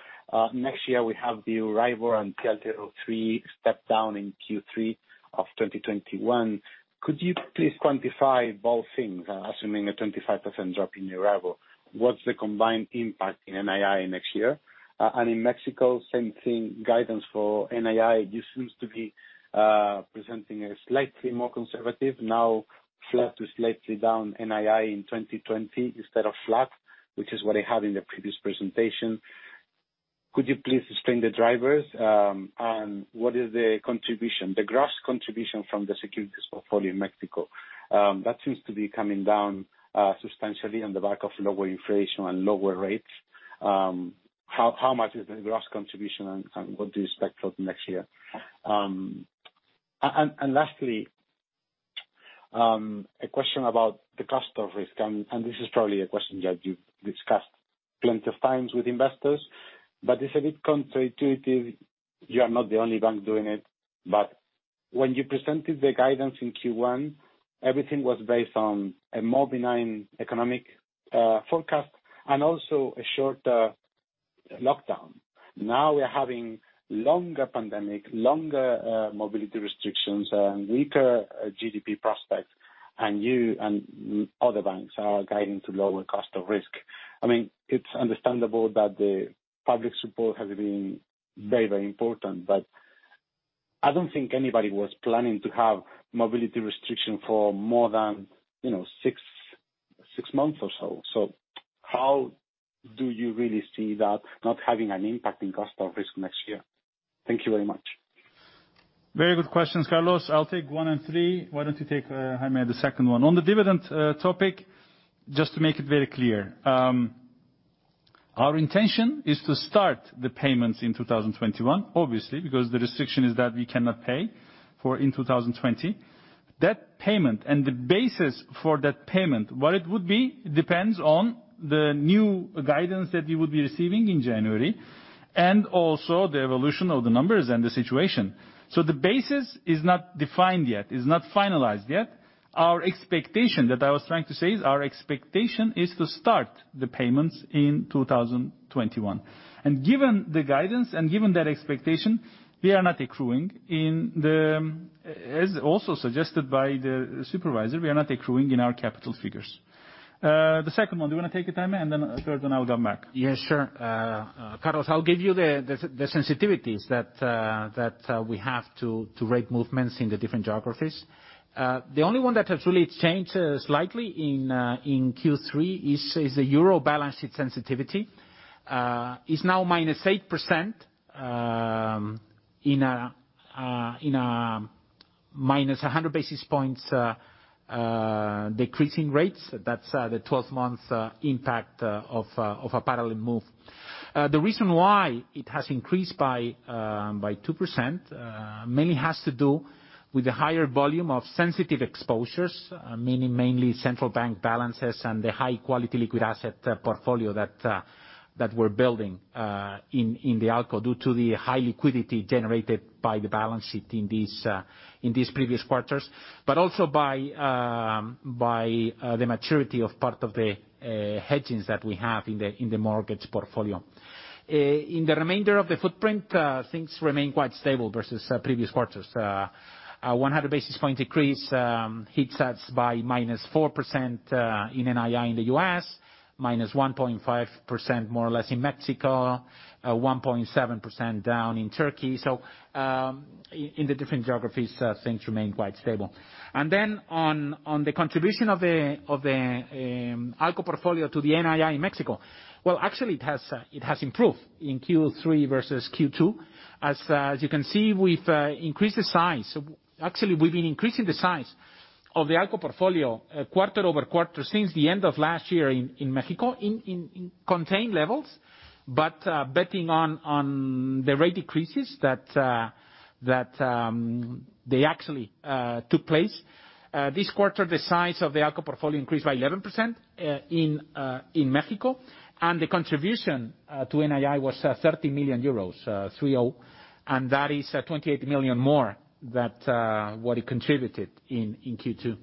Next year we have the TLTRO arrival and TLTRO III step down in Q3 of 2021. Could you please quantify both things, assuming a 25% drop in your TLTRO arrival? What's the combined impact in NII next year? In Mexico, same thing, guidance for NII. You seems to be presenting a slightly more conservative, now flat to slightly down NII in 2020 instead of flat, which is what I had in the previous presentation. Could you please explain the drivers, and what is the gross contribution from the securities portfolio in Mexico? That seems to be coming down substantially on the back of lower inflation and lower rates. How much is the gross contribution, and what do you expect for the next year? Lastly, a question about the cost of risk, and this is probably a question that you've discussed plenty of times with investors, but it's a bit counterintuitive. You are not the only bank doing it. When you presented the guidance in Q1, everything was based on a more benign economic forecast and also a shorter lockdown. Now we're having longer pandemic, longer mobility restrictions, and weaker GDP prospects, and you and other banks are guiding to lower cost of risk. It's understandable that the public support has been very important. I don't think anybody was planning to have mobility restriction for more than six months or so. How do you really see that not having an impact in cost of risk next year? Thank you very much. Very good questions, Carlos. I'll take one and three. Why don't you take, Jaime, the second one? On the dividend topic, just to make it very clear. Our intention is to start the payments in 2021, obviously, because the restriction is that we cannot pay for in 2020. That payment and the basis for that payment, what it would be, depends on the new guidance that we would be receiving in January, also the evolution of the numbers and the situation. The basis is not defined yet, is not finalized yet. What I was trying to say is, our expectation is to start the payments in 2021. Given the guidance and given that expectation, we are not accruing, as also suggested by the supervisor, we are not accruing in our capital figures. The second one, do you want to take it, Jaime, and then third, then I'll come back. Yes, sure. Carlos, I'll give you the sensitivities that we have to rate movements in the different geographies. The only one that has really changed slightly in Q3 is the euro balance sheet sensitivity. It's now -8% in -100 basis points decreasing rates. That's the 12 months impact of a parallel move. The reason why it has increased by 2% mainly has to do with the higher volume of sensitive exposures, meaning mainly central bank balances and the high-quality liquid asset portfolio that we're building in the ALCO, due to the high liquidity generated by the balance sheet in these previous quarters. Also by the maturity of part of the hedgings that we have in the mortgage portfolio. In the remainder of the footprint, things remain quite stable versus previous quarters. 100 basis point decrease hits us by -4% in NII in the U.S., -1.5%, more or less in Mexico, 1.7% down in Turkey. In the different geographies, things remain quite stable. On the contribution of the ALCO portfolio to the NII in Mexico, well, actually, it has improved in Q3 versus Q2. As you can see, we've increased the size. Actually, we've been increasing the size of the ALCO portfolio quarter-over-quarter since the end of last year in Mexico, in contained levels. Betting on the rate decreases that they actually took place. This quarter, the size of the ALCO portfolio increased by 11% in Mexico, and the contribution to NII was 30 million euros. That is 28 million more than what it contributed in Q2.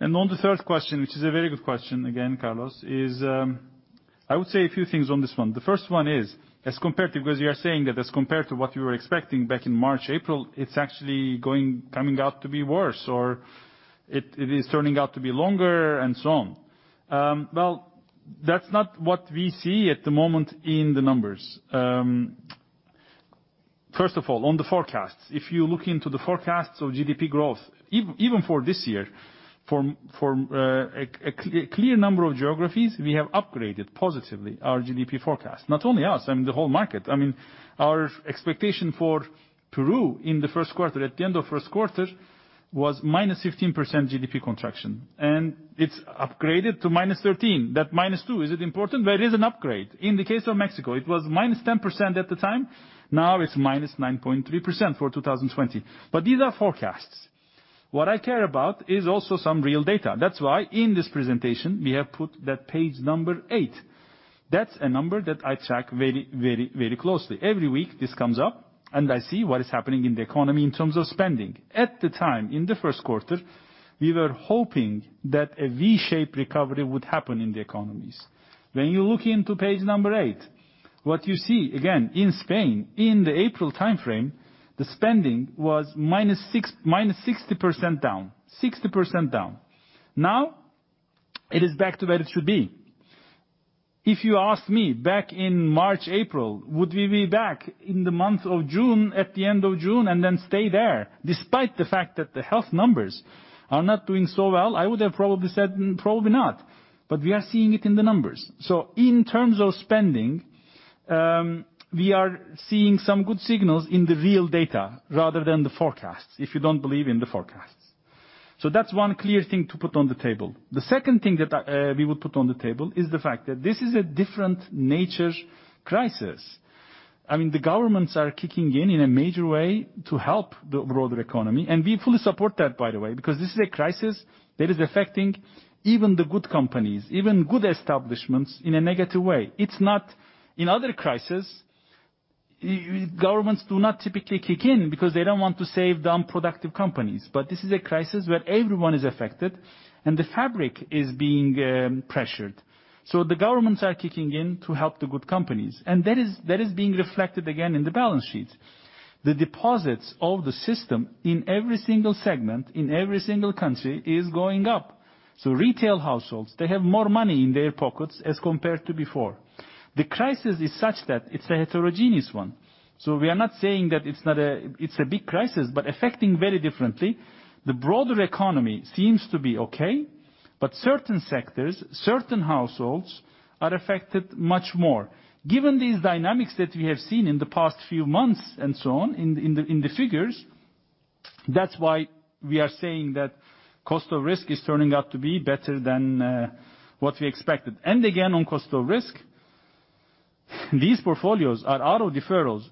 On the third question, which is a very good question again, Carlos, I would say a few things on this one. The first one is, because you are saying that as compared to what you were expecting back in March, April, it's actually coming out to be worse, or it is turning out to be longer and so on. Well, that's not what we see at the moment in the numbers. First of all, on the forecasts. If you look into the forecasts of GDP growth, even for this year, for a clear number of geographies, we have upgraded positively our GDP forecast. Not only us, the whole market. Our expectation for Peru at the end of first quarter, was -15% GDP contraction, and it's upgraded to-13. That -2, is it important? It is an upgrade. In the case of Mexico, it was -10% at the time. Now it's -9.3% for 2020. These are forecasts. What I care about is also some real data. That's why in this presentation, we have put that page number eight. That's a number that I track very closely. Every week this comes up, and I see what is happening in the economy in terms of spending. At the time, in the first quarter, we were hoping that a V-shaped recovery would happen in the economies. When you look into page number eight, what you see, again, in Spain, in the April timeframe, the spending was -60% down. 60% down. Now it is back to where it should be. If you asked me back in March, April, would we be back in the month of June at the end of June and then stay there despite the fact that the health numbers are not doing so well? I would have probably said probably not, but we are seeing it in the numbers. In terms of spending, we are seeing some good signals in the real data rather than the forecasts, if you don't believe in the forecasts. That's one clear thing to put on the table. The second thing that we will put on the table is the fact that this is a different nature crisis. The governments are kicking in a major way to help the broader economy, and we fully support that, by the way, because this is a crisis that is affecting even the good companies, even good establishments, in a negative way. In other crisis, governments do not typically kick in because they don't want to save the unproductive companies. This is a crisis where everyone is affected and the fabric is being pressured. The governments are kicking in to help the good companies. That is being reflected again in the balance sheets. The deposits of the system in every single segment, in every single country, is going up. Retail households, they have more money in their pockets as compared to before. The crisis is such that it's a heterogeneous one. We are not saying that it's a big crisis, but affecting very differently. The broader economy seems to be okay, but certain sectors, certain households, are affected much more. Given these dynamics that we have seen in the past few months, and so on, in the figures, that's why we are saying that cost of risk is turning out to be better than what we expected. Again, on cost of risk, these portfolios are out of deferrals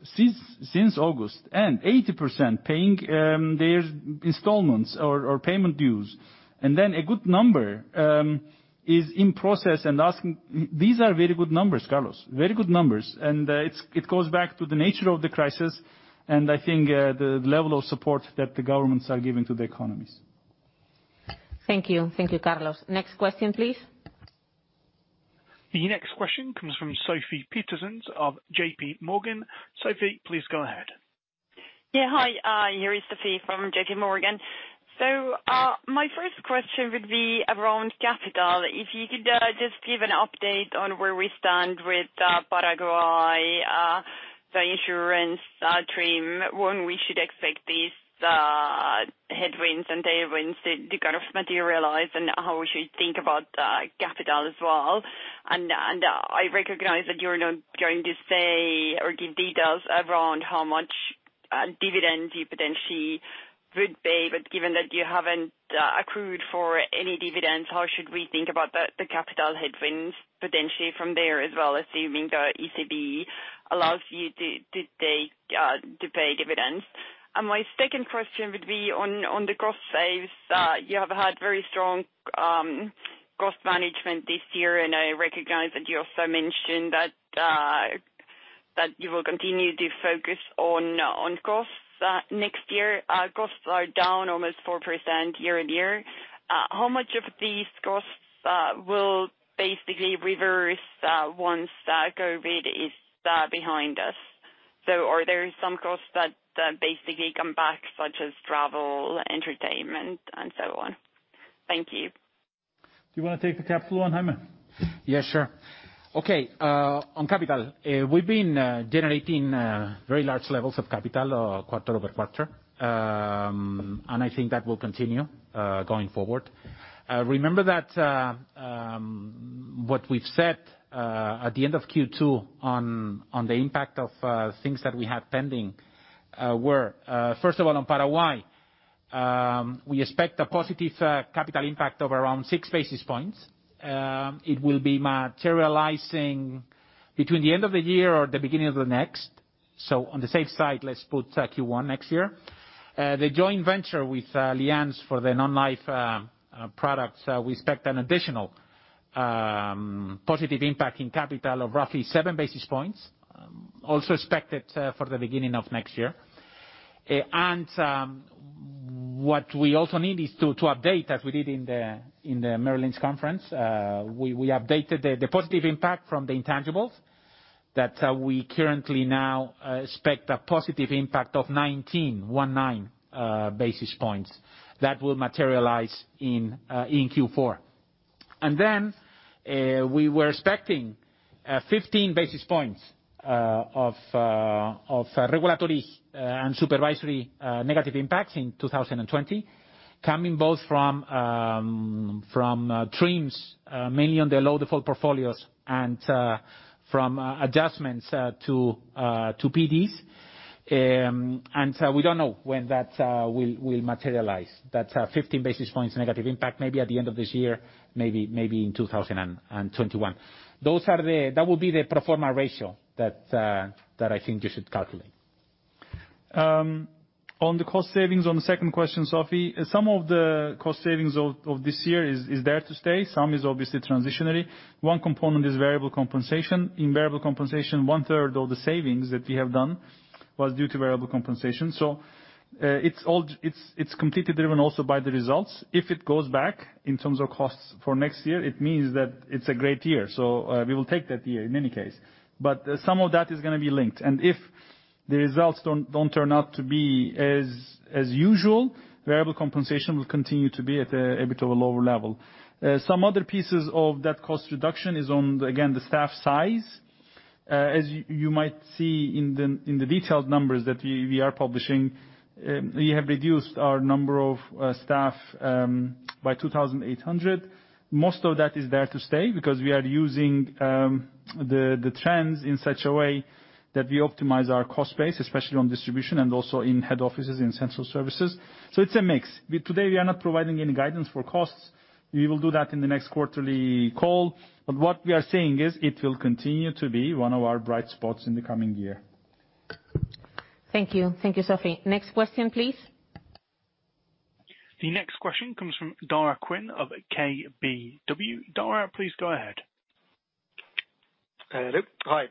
since August, and 80% paying their installments or payment dues. Then a good number is in process and asking. These are very good numbers, Carlos. Very good numbers. It goes back to the nature of the crisis, and I think the level of support that the governments are giving to the economies. Thank you. Thank you, Carlos. Next question, please. The next question comes from Sofie Peterzens of JP Morgan. Sofie, please go ahead. Yeah. Hi, here is Sofie from JP Morgan. My first question would be around capital. If you could just give an update on where we stand with Paraguay, the insurance TRIM, when we should expect these headwinds and tailwinds to materialize, and how we should think about capital as well. I recognize that you're not going to say or give details around how much dividend you potentially would pay, but given that you haven't accrued for any dividends, how should we think about the capital headwinds potentially from there as well, assuming the ECB allows you to pay dividends? My second question would be on the cost saves. You have had very strong cost management this year. I recognize that you also mentioned that you will continue to focus on costs next year. Costs are down almost 4% year-over-year. How much of these costs will basically reverse once COVID is behind us? Are there some costs that basically come back, such as travel, entertainment and so on? Thank you. Do you want to take the capital one, Jaime? Yeah, sure. Okay. On capital, we’ve been generating very large levels of capital quarter-over-quarter. I think that will continue going forward. Remember that what we’ve said at the end of Q2 on the impact of things that we had pending were, first of all, on Paraguay, we expect a positive capital impact of around six basis points. It will be materializing between the end of the year or the beginning of the next. On the safe side, let’s put Q1 next year. The joint venture with Allianz for the non-life products, we expect an additional positive impact in capital of roughly seven basis points, also expected for the beginning of next year. What we also need is to update, as we did in the Barclays conference, we updated the positive impact from the intangibles that we currently now expect a positive impact of 19 basis points that will materialize in Q4. Then we were expecting 15 basis points of regulatory and supervisory negative impacts in 2020, coming both from TRIM, mainly on the low default portfolios and from adjustments to PDs. We don't know when that will materialize. That 15 basis points negative impact, maybe at the end of this year, maybe in 2021. That will be the pro forma ratio that I think you should calculate. On the cost savings, on the second question, Sofie. Some of the cost savings of this year is there to stay. Some is obviously transitionary. One component is variable compensation. In variable compensation, one-third of the savings that we have done was due to variable compensation. It's completely driven also by the results. If it goes back in terms of costs for next year, it means that it's a great year. We will take that year in any case. Some of that is going to be linked. If the results don't turn out to be as usual, variable compensation will continue to be at a bit of a lower level. Some other pieces of that cost reduction is on, again, the staff size. As you might see in the detailed numbers that we are publishing, we have reduced our number of staff by 2,800. Most of that is there to stay because we are using the trends in such a way that we optimize our cost base, especially on distribution and also in head offices in central services. It's a mix. Today, we are not providing any guidance for costs. We will do that in the next quarterly call. What we are saying is it will continue to be one of our bright spots in the coming year. Thank you. Thank you, Sofie. Next question, please. The next question comes from Daragh Quinn of KBW. Daragh, please go ahead. Hello. Hi.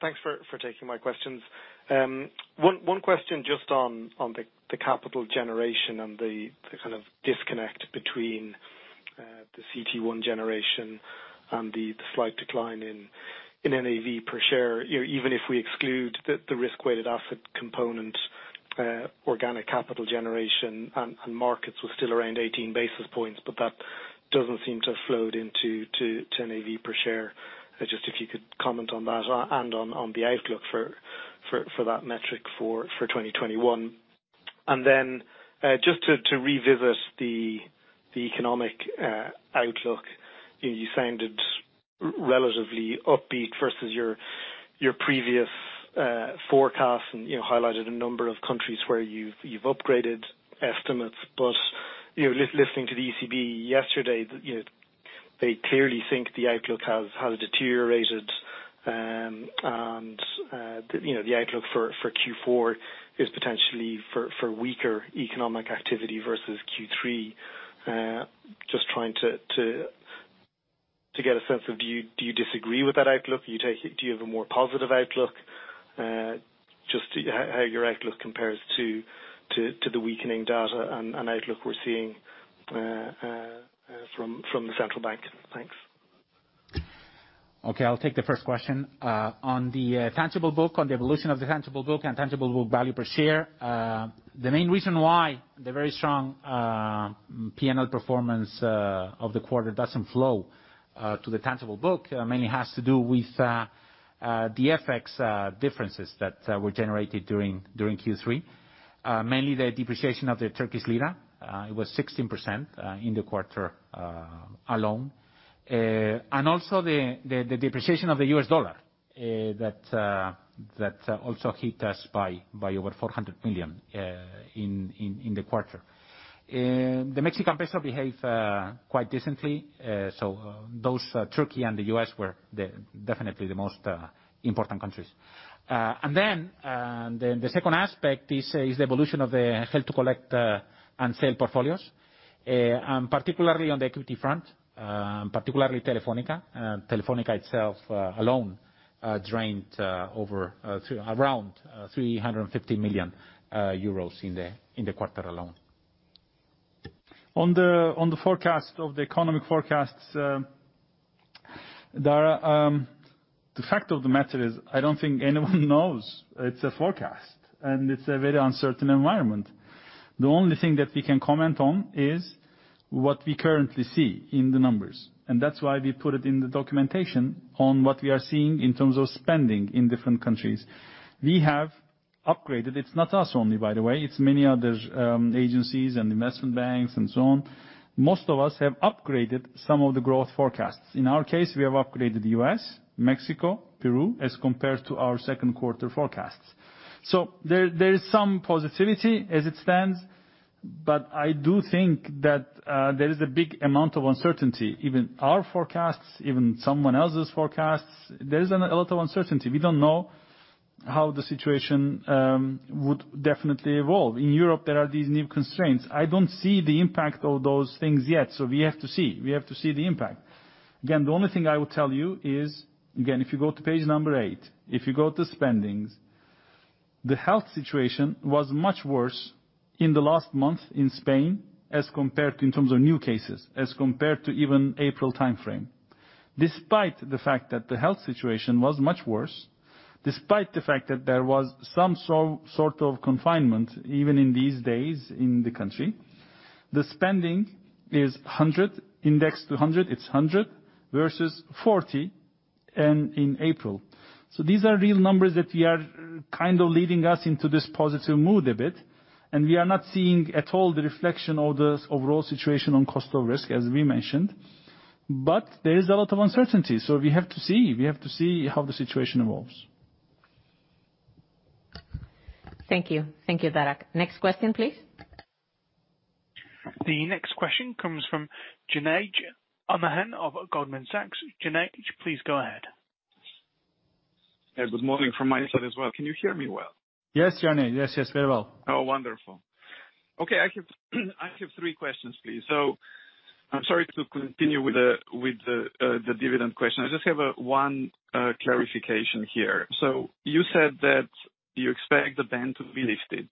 Thanks for taking my questions. One question just on the capital generation and the kind of disconnect between the CET1 generation and the slight decline in NAV per share. Even if we exclude the risk-weighted asset component, organic capital generation and markets were still around 18 basis points, but that doesn't seem to have flowed into NAV per share. Just if you could comment on that and on the outlook for that metric for 2021. Just to revisit the economic outlook, you sounded relatively upbeat versus your previous forecast and highlighted a number of countries where you've upgraded estimates. Listening to the ECB yesterday, they clearly think the outlook has deteriorated, and the outlook for Q4 is potentially for weaker economic activity versus Q3. Just trying to get a sense of, do you disagree with that outlook? Do you have a more positive outlook? Just how your outlook compares to the weakening data and outlook we're seeing from the central bank. Thanks. Okay, I'll take the first question. On the tangible book, on the evolution of the tangible book and tangible book value per share. The main reason why the very strong P&L performance of the quarter doesn't flow to the tangible book mainly has to do with the FX differences that were generated during Q3. Mainly the depreciation of the Turkish lira. It was 16% in the quarter alone. Also the depreciation of the U.S. dollar, that also hit us by over 400 million in the quarter. The Mexican peso behaved quite decently. Those, Turkey and the U.S., were definitely the most important countries. Then the second aspect is the evolution of the held to collect and sell portfolios. Particularly on the equity front, particularly Telefónica. Telefónica itself alone drained around 350 million euros in the quarter alone. The forecast of the economic forecasts, Daragh, the fact of the matter is, I don't think anyone knows. It's a forecast, and it's a very uncertain environment. The only thing that we can comment on is what we currently see in the numbers, and that's why we put it in the documentation on what we are seeing in terms of spending in different countries. We have upgraded. It's not us only, by the way, it's many other agencies and investment banks and so on. Most of us have upgraded some of the growth forecasts. In our case, we have upgraded the U.S., Mexico, Peru, as compared to our second quarter forecasts. There is some positivity as it stands. I do think that there is a big amount of uncertainty, even our forecasts, even someone else's forecasts. There is a lot of uncertainty. We don't know how the situation would definitely evolve. In Europe, there are these new constraints. I don't see the impact of those things yet. We have to see. We have to see the impact. Again, the only thing I will tell you is, again, if you go to page number eight, if you go to spendings, the health situation was much worse in the last month in Spain, in terms of new cases, as compared to even April timeframe. Despite the fact that the health situation was much worse, despite the fact that there was some sort of confinement, even in these days in the country, the spending index to 100, it's 100 versus 40 in April. These are real numbers that are kind of leading us into this positive mood a bit. We are not seeing at all the reflection of the overall situation on cost of risk, as we mentioned. There is a lot of uncertainty. We have to see how the situation evolves. Thank you. Thank you, Daragh. Next question, please. The next question comes from Jernej Omahen of Goldman Sachs. Jernej, please go ahead. Good morning from my side as well. Can you hear me well? Yes, Jernej. Yes, very well. Oh, wonderful. Okay. I have three questions, please. I'm sorry to continue with the dividend question. I just have one clarification here. You said that you expect the ban to be lifted,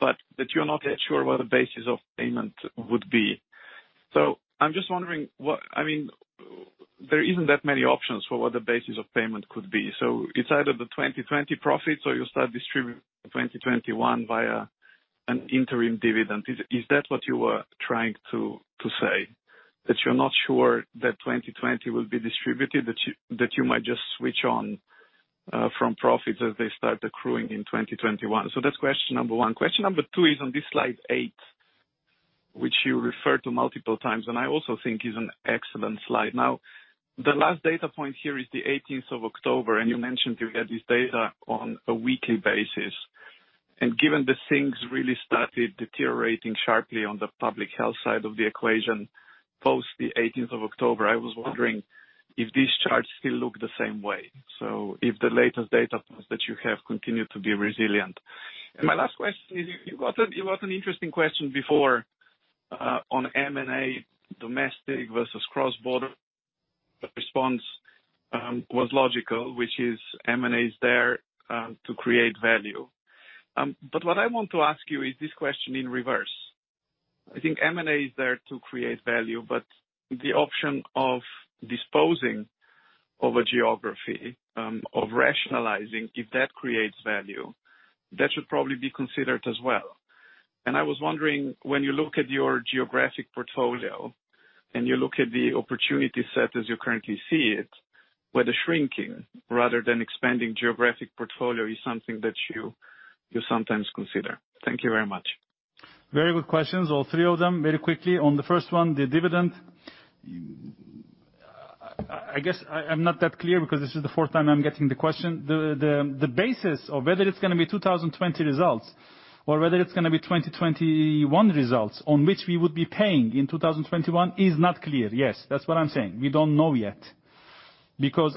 but that you're not yet sure what the basis of payment would be. I'm just wondering, there isn't that many options for what the basis of payment could be. It's either the 2020 profits or you start distributing 2021 via an interim dividend. Is that what you were trying to say? That you're not sure that 2020 will be distributed, that you might just switch on from profits as they start accruing in 2021? That's question number one. Question number two is on this slide eight, which you referred to multiple times, and I also think is an excellent slide. Now, the last data point here is the 18th of October, and you mentioned you get this data on a weekly basis. And given that things really started deteriorating sharply on the public health side of the equation post the 18th of October, I was wondering if these charts still look the same way. If the latest data points that you have continued to be resilient. My last question is, you asked an interesting question before, on M&A domestic versus cross-border. The response was logical, which is M&A is there to create value. What I want to ask you is this question in reverse. I think M&A is there to create value, but the option of disposing of a geography, of rationalizing, if that creates value, that should probably be considered as well. I was wondering, when you look at your geographic portfolio and you look at the opportunity set as you currently see it, whether shrinking rather than expanding geographic portfolio is something that you sometimes consider. Thank you very much. Very good questions, all three of them. Very quickly on the first one, the dividend. I guess I'm not that clear because this is the fourth time I'm getting the question. The basis of whether it's going to be 2020 results or whether it's going to be 2021 results on which we would be paying in 2021 is not clear. Yes, that's what I'm saying. We don't know yet.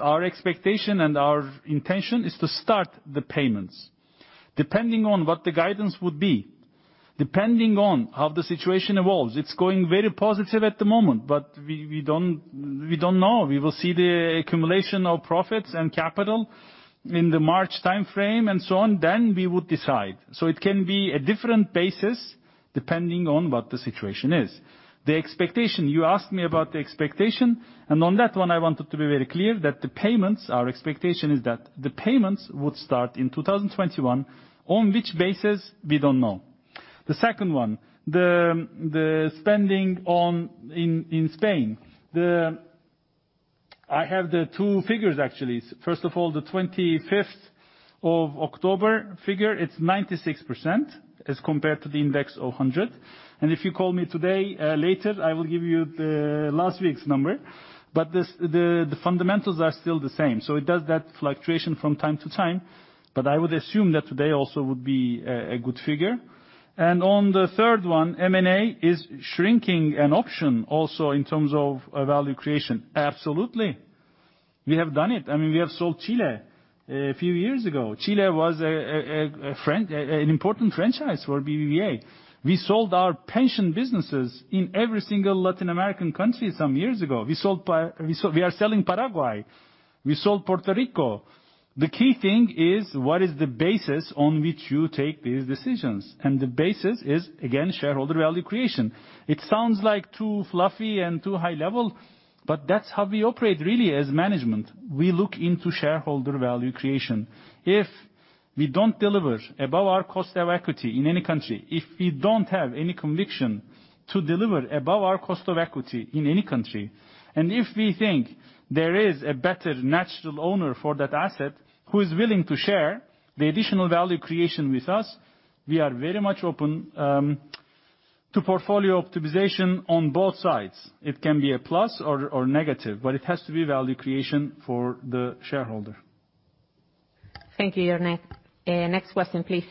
Our expectation and our intention is to start the payments. Depending on what the guidance would be, depending on how the situation evolves. It's going very positive at the moment, we don't know. We will see the accumulation of profits and capital in the March timeframe and so on, we would decide. It can be a different basis depending on what the situation is. The expectation, you asked me about the expectation, and on that one I wanted to be very clear that the payments, our expectation is that the payments would start in 2021. On which basis, we don't know. The second one, the spending in Spain. I have the two figures, actually. First of all, the 25th of October figure, it's 96% as compared to the index of 100. If you call me today later, I will give you the last week's number. The fundamentals are still the same. It does that fluctuation from time to time, but I would assume that today also would be a good figure. On the third one, M&A is shrinking an option also in terms of value creation. Absolutely. We have done it. I mean, we have sold Chile a few years ago. Chile was an important franchise for BBVA. We sold our pension businesses in every single Latin American country some years ago. We are selling Paraguay. We sold Puerto Rico. The key thing is what is the basis on which you take these decisions? The basis is, again, shareholder value creation. It sounds like too fluffy and too high level, but that's how we operate really as management. We look into shareholder value creation. If we don't deliver above our cost of equity in any country, if we don't have any conviction to deliver above our cost of equity in any country, and if we think there is a better natural owner for that asset who is willing to share the additional value creation with us, we are very much open to portfolio optimization on both sides. It can be a plus or negative, but it has to be value creation for the shareholder. Thank you. Next question, please.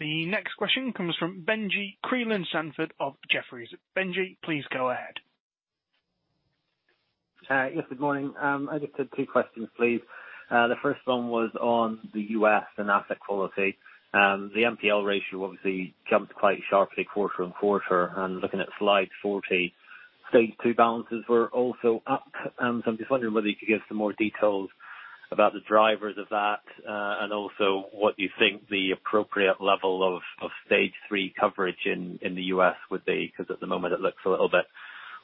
The next question comes from Benjie Creelan-Sandford of Jefferies. Benjie, please go ahead. Yes, good morning. I just have two questions, please. The first one was on the U.S. and asset quality. The NPL ratio obviously jumped quite sharply quarter-on-quarter, and looking at slide 40, Stage 2 balances were also up. I'm just wondering whether you could give some more details about the drivers of that, and also what you think the appropriate level of Stage 3 coverage in the U.S. would be, because at the moment it looks a little bit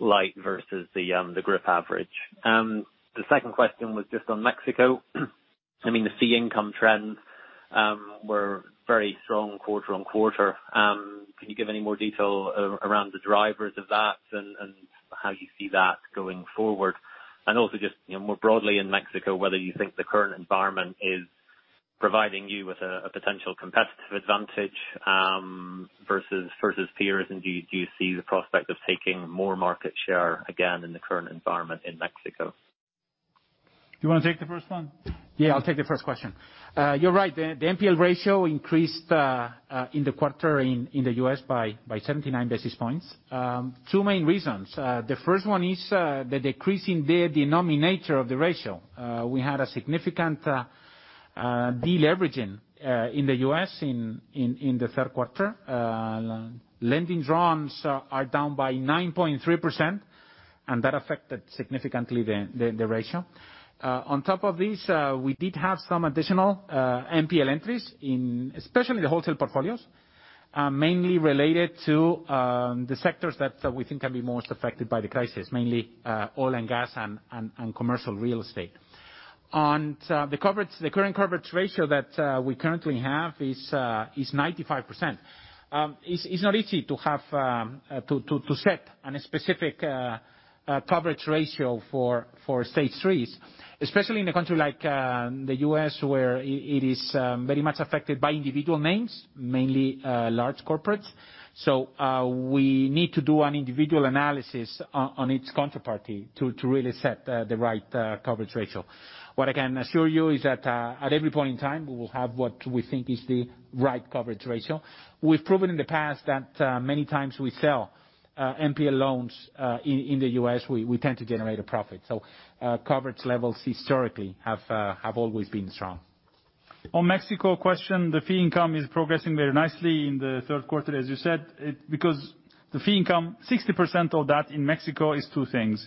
light versus the group average. The second question was just on Mexico. I mean, the fee income trends were very strong quarter-on-quarter. Can you give any more detail around the drivers of that and how you see that going forward? Also just more broadly in Mexico, whether you think the current environment is providing you with a potential competitive advantage versus peers, and do you see the prospect of taking more market share again in the current environment in Mexico? Do you want to take the first one? Yeah, I'll take the first question. You're right. The NPL ratio increased in the quarter in the U.S. by 79 basis points. Two main reasons. The first one is the decrease in the denominator of the ratio. We had a significant de-leveraging in the U.S. in the third quarter. Lending draws are down by 9.3%, that affected significantly the ratio. On top of this, we did have some additional NPL entries in especially the wholesale portfolios, mainly related to the sectors that we think can be most affected by the crisis, mainly oil and gas and commercial real estate. On the current coverage ratio that we currently have is 95%. It's not easy to set an specific coverage ratio for Stage 3s, especially in a country like the U.S. where it is very much affected by individual names, mainly large corporates. We need to do an individual analysis on its counterparty to really set the right coverage ratio. What I can assure you is that at every point in time, we will have what we think is the right coverage ratio. We've proven in the past that many times we sell NPL loans in the U.S., we tend to generate a profit. So coverage levels historically have always been strong. Mexico question, the fee income is progressing very nicely in the third quarter, as you said, because the fee income, 60% of that in Mexico is two things.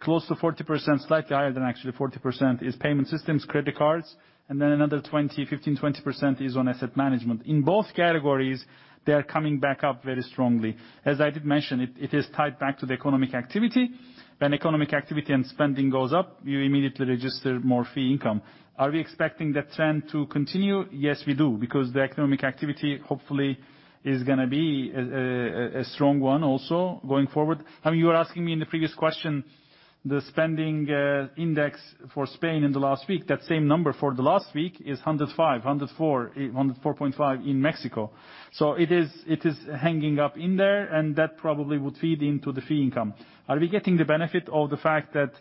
Close to 40%, slightly higher than actually 40%, is payment systems, credit cards, and then another 15%-20% is on asset management. In both categories, they are coming back up very strongly. I did mention, it is tied back to the economic activity. Economic activity and spending goes up, you immediately register more fee income. Are we expecting that trend to continue? Yes, we do, the economic activity, hopefully, is going to be a strong one also going forward. You were asking me in the previous question, the spending index for Spain in the last week. That same number for the last week is 105, 104.5 in Mexico. It is hanging up in there, and that probably would feed into the fee income. Are we getting the benefit of the fact that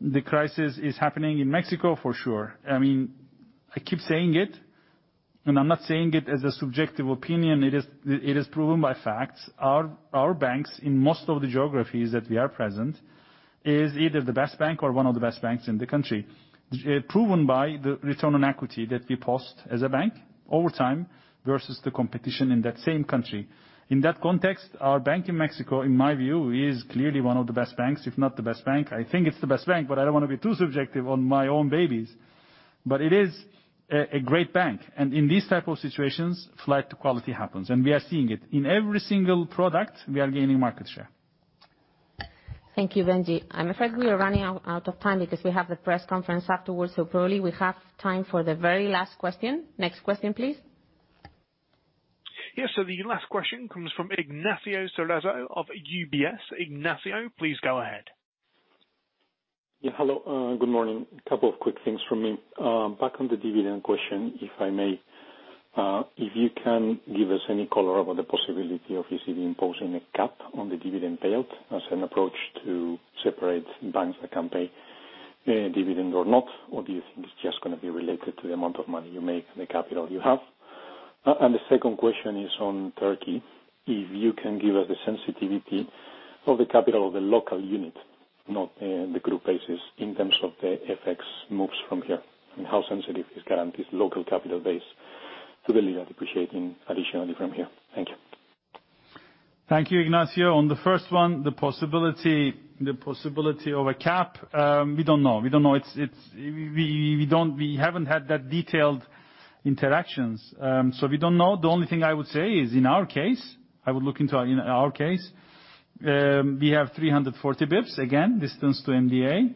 the crisis is happening in Mexico? For sure. I keep saying it, and I'm not saying it as a subjective opinion. It is proven by facts. Our banks, in most of the geographies that we are present, is either the best bank or one of the best banks in the country, proven by the return on equity that we post as a bank over time versus the competition in that same country. In that context, our bank in Mexico, in my view, is clearly one of the best banks, if not the best bank. I think it's the best bank, but I don't want to be too subjective on my own babies. It is a great bank. In these type of situations, flight to quality happens, and we are seeing it. In every single product, we are gaining market share. Thank you, Benjie. I'm afraid we are running out of time because we have the press conference afterwards. Probably we have time for the very last question. Next question, please. Yes, the last question comes from Ignacio Cerezo of UBS. Ignacio, please go ahead. Hello, good morning. A couple of quick things from me. Back on the dividend question, if I may. If you can give us any color about the possibility of ECB imposing a cap on the dividend payout as an approach to separate banks that can pay dividend or not, or do you think it's just going to be related to the amount of money you make and the capital you have? The second question is on Turkey. If you can give us the sensitivity of the capital of the local unit, not the group basis, in terms of the FX moves from here, and how sensitive is Garanti local capital base to the lira depreciating additionally from here? Thank you. Thank you, Ignacio. On the first one, the possibility of a cap, we don't know. We haven't had that detailed interactions, so we don't know. The only thing I would say is, in our case, I would look into our case. We have 340 basis points, again, distance to MDA.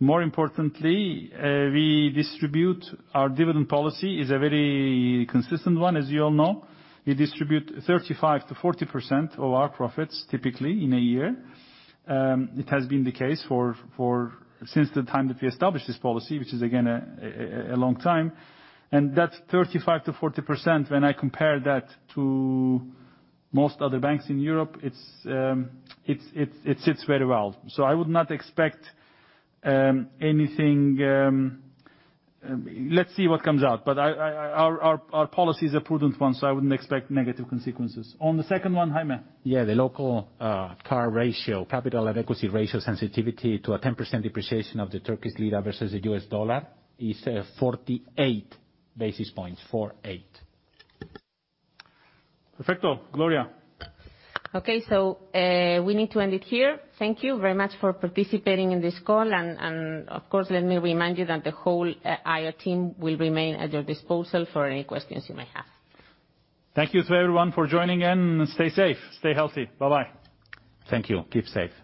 More importantly, we distribute our dividend policy is a very consistent one, as you all know. We distribute 35%-40% of our profits typically in a year. It has been the case since the time that we established this policy, which is again, a long time. That 35%-40%, when I compare that to most other banks in Europe, it sits very well. I would not expect anything. Let's see what comes out. Our policy is a prudent one, so I wouldn't expect negative consequences. On the second one, Jaime. Yeah, the local CAR ratio, capital and equity ratio sensitivity to a 10% depreciation of the Turkish lira versus the US dollar is 48 basis points. 48. Perfecto. Gloria. Okay, we need to end it here. Thank you very much for participating in this call. Of course, let me remind you that the whole IR team will remain at your disposal for any questions you may have. Thank you to everyone for joining in, and stay safe, stay healthy. Bye-bye. Thank you. Keep safe.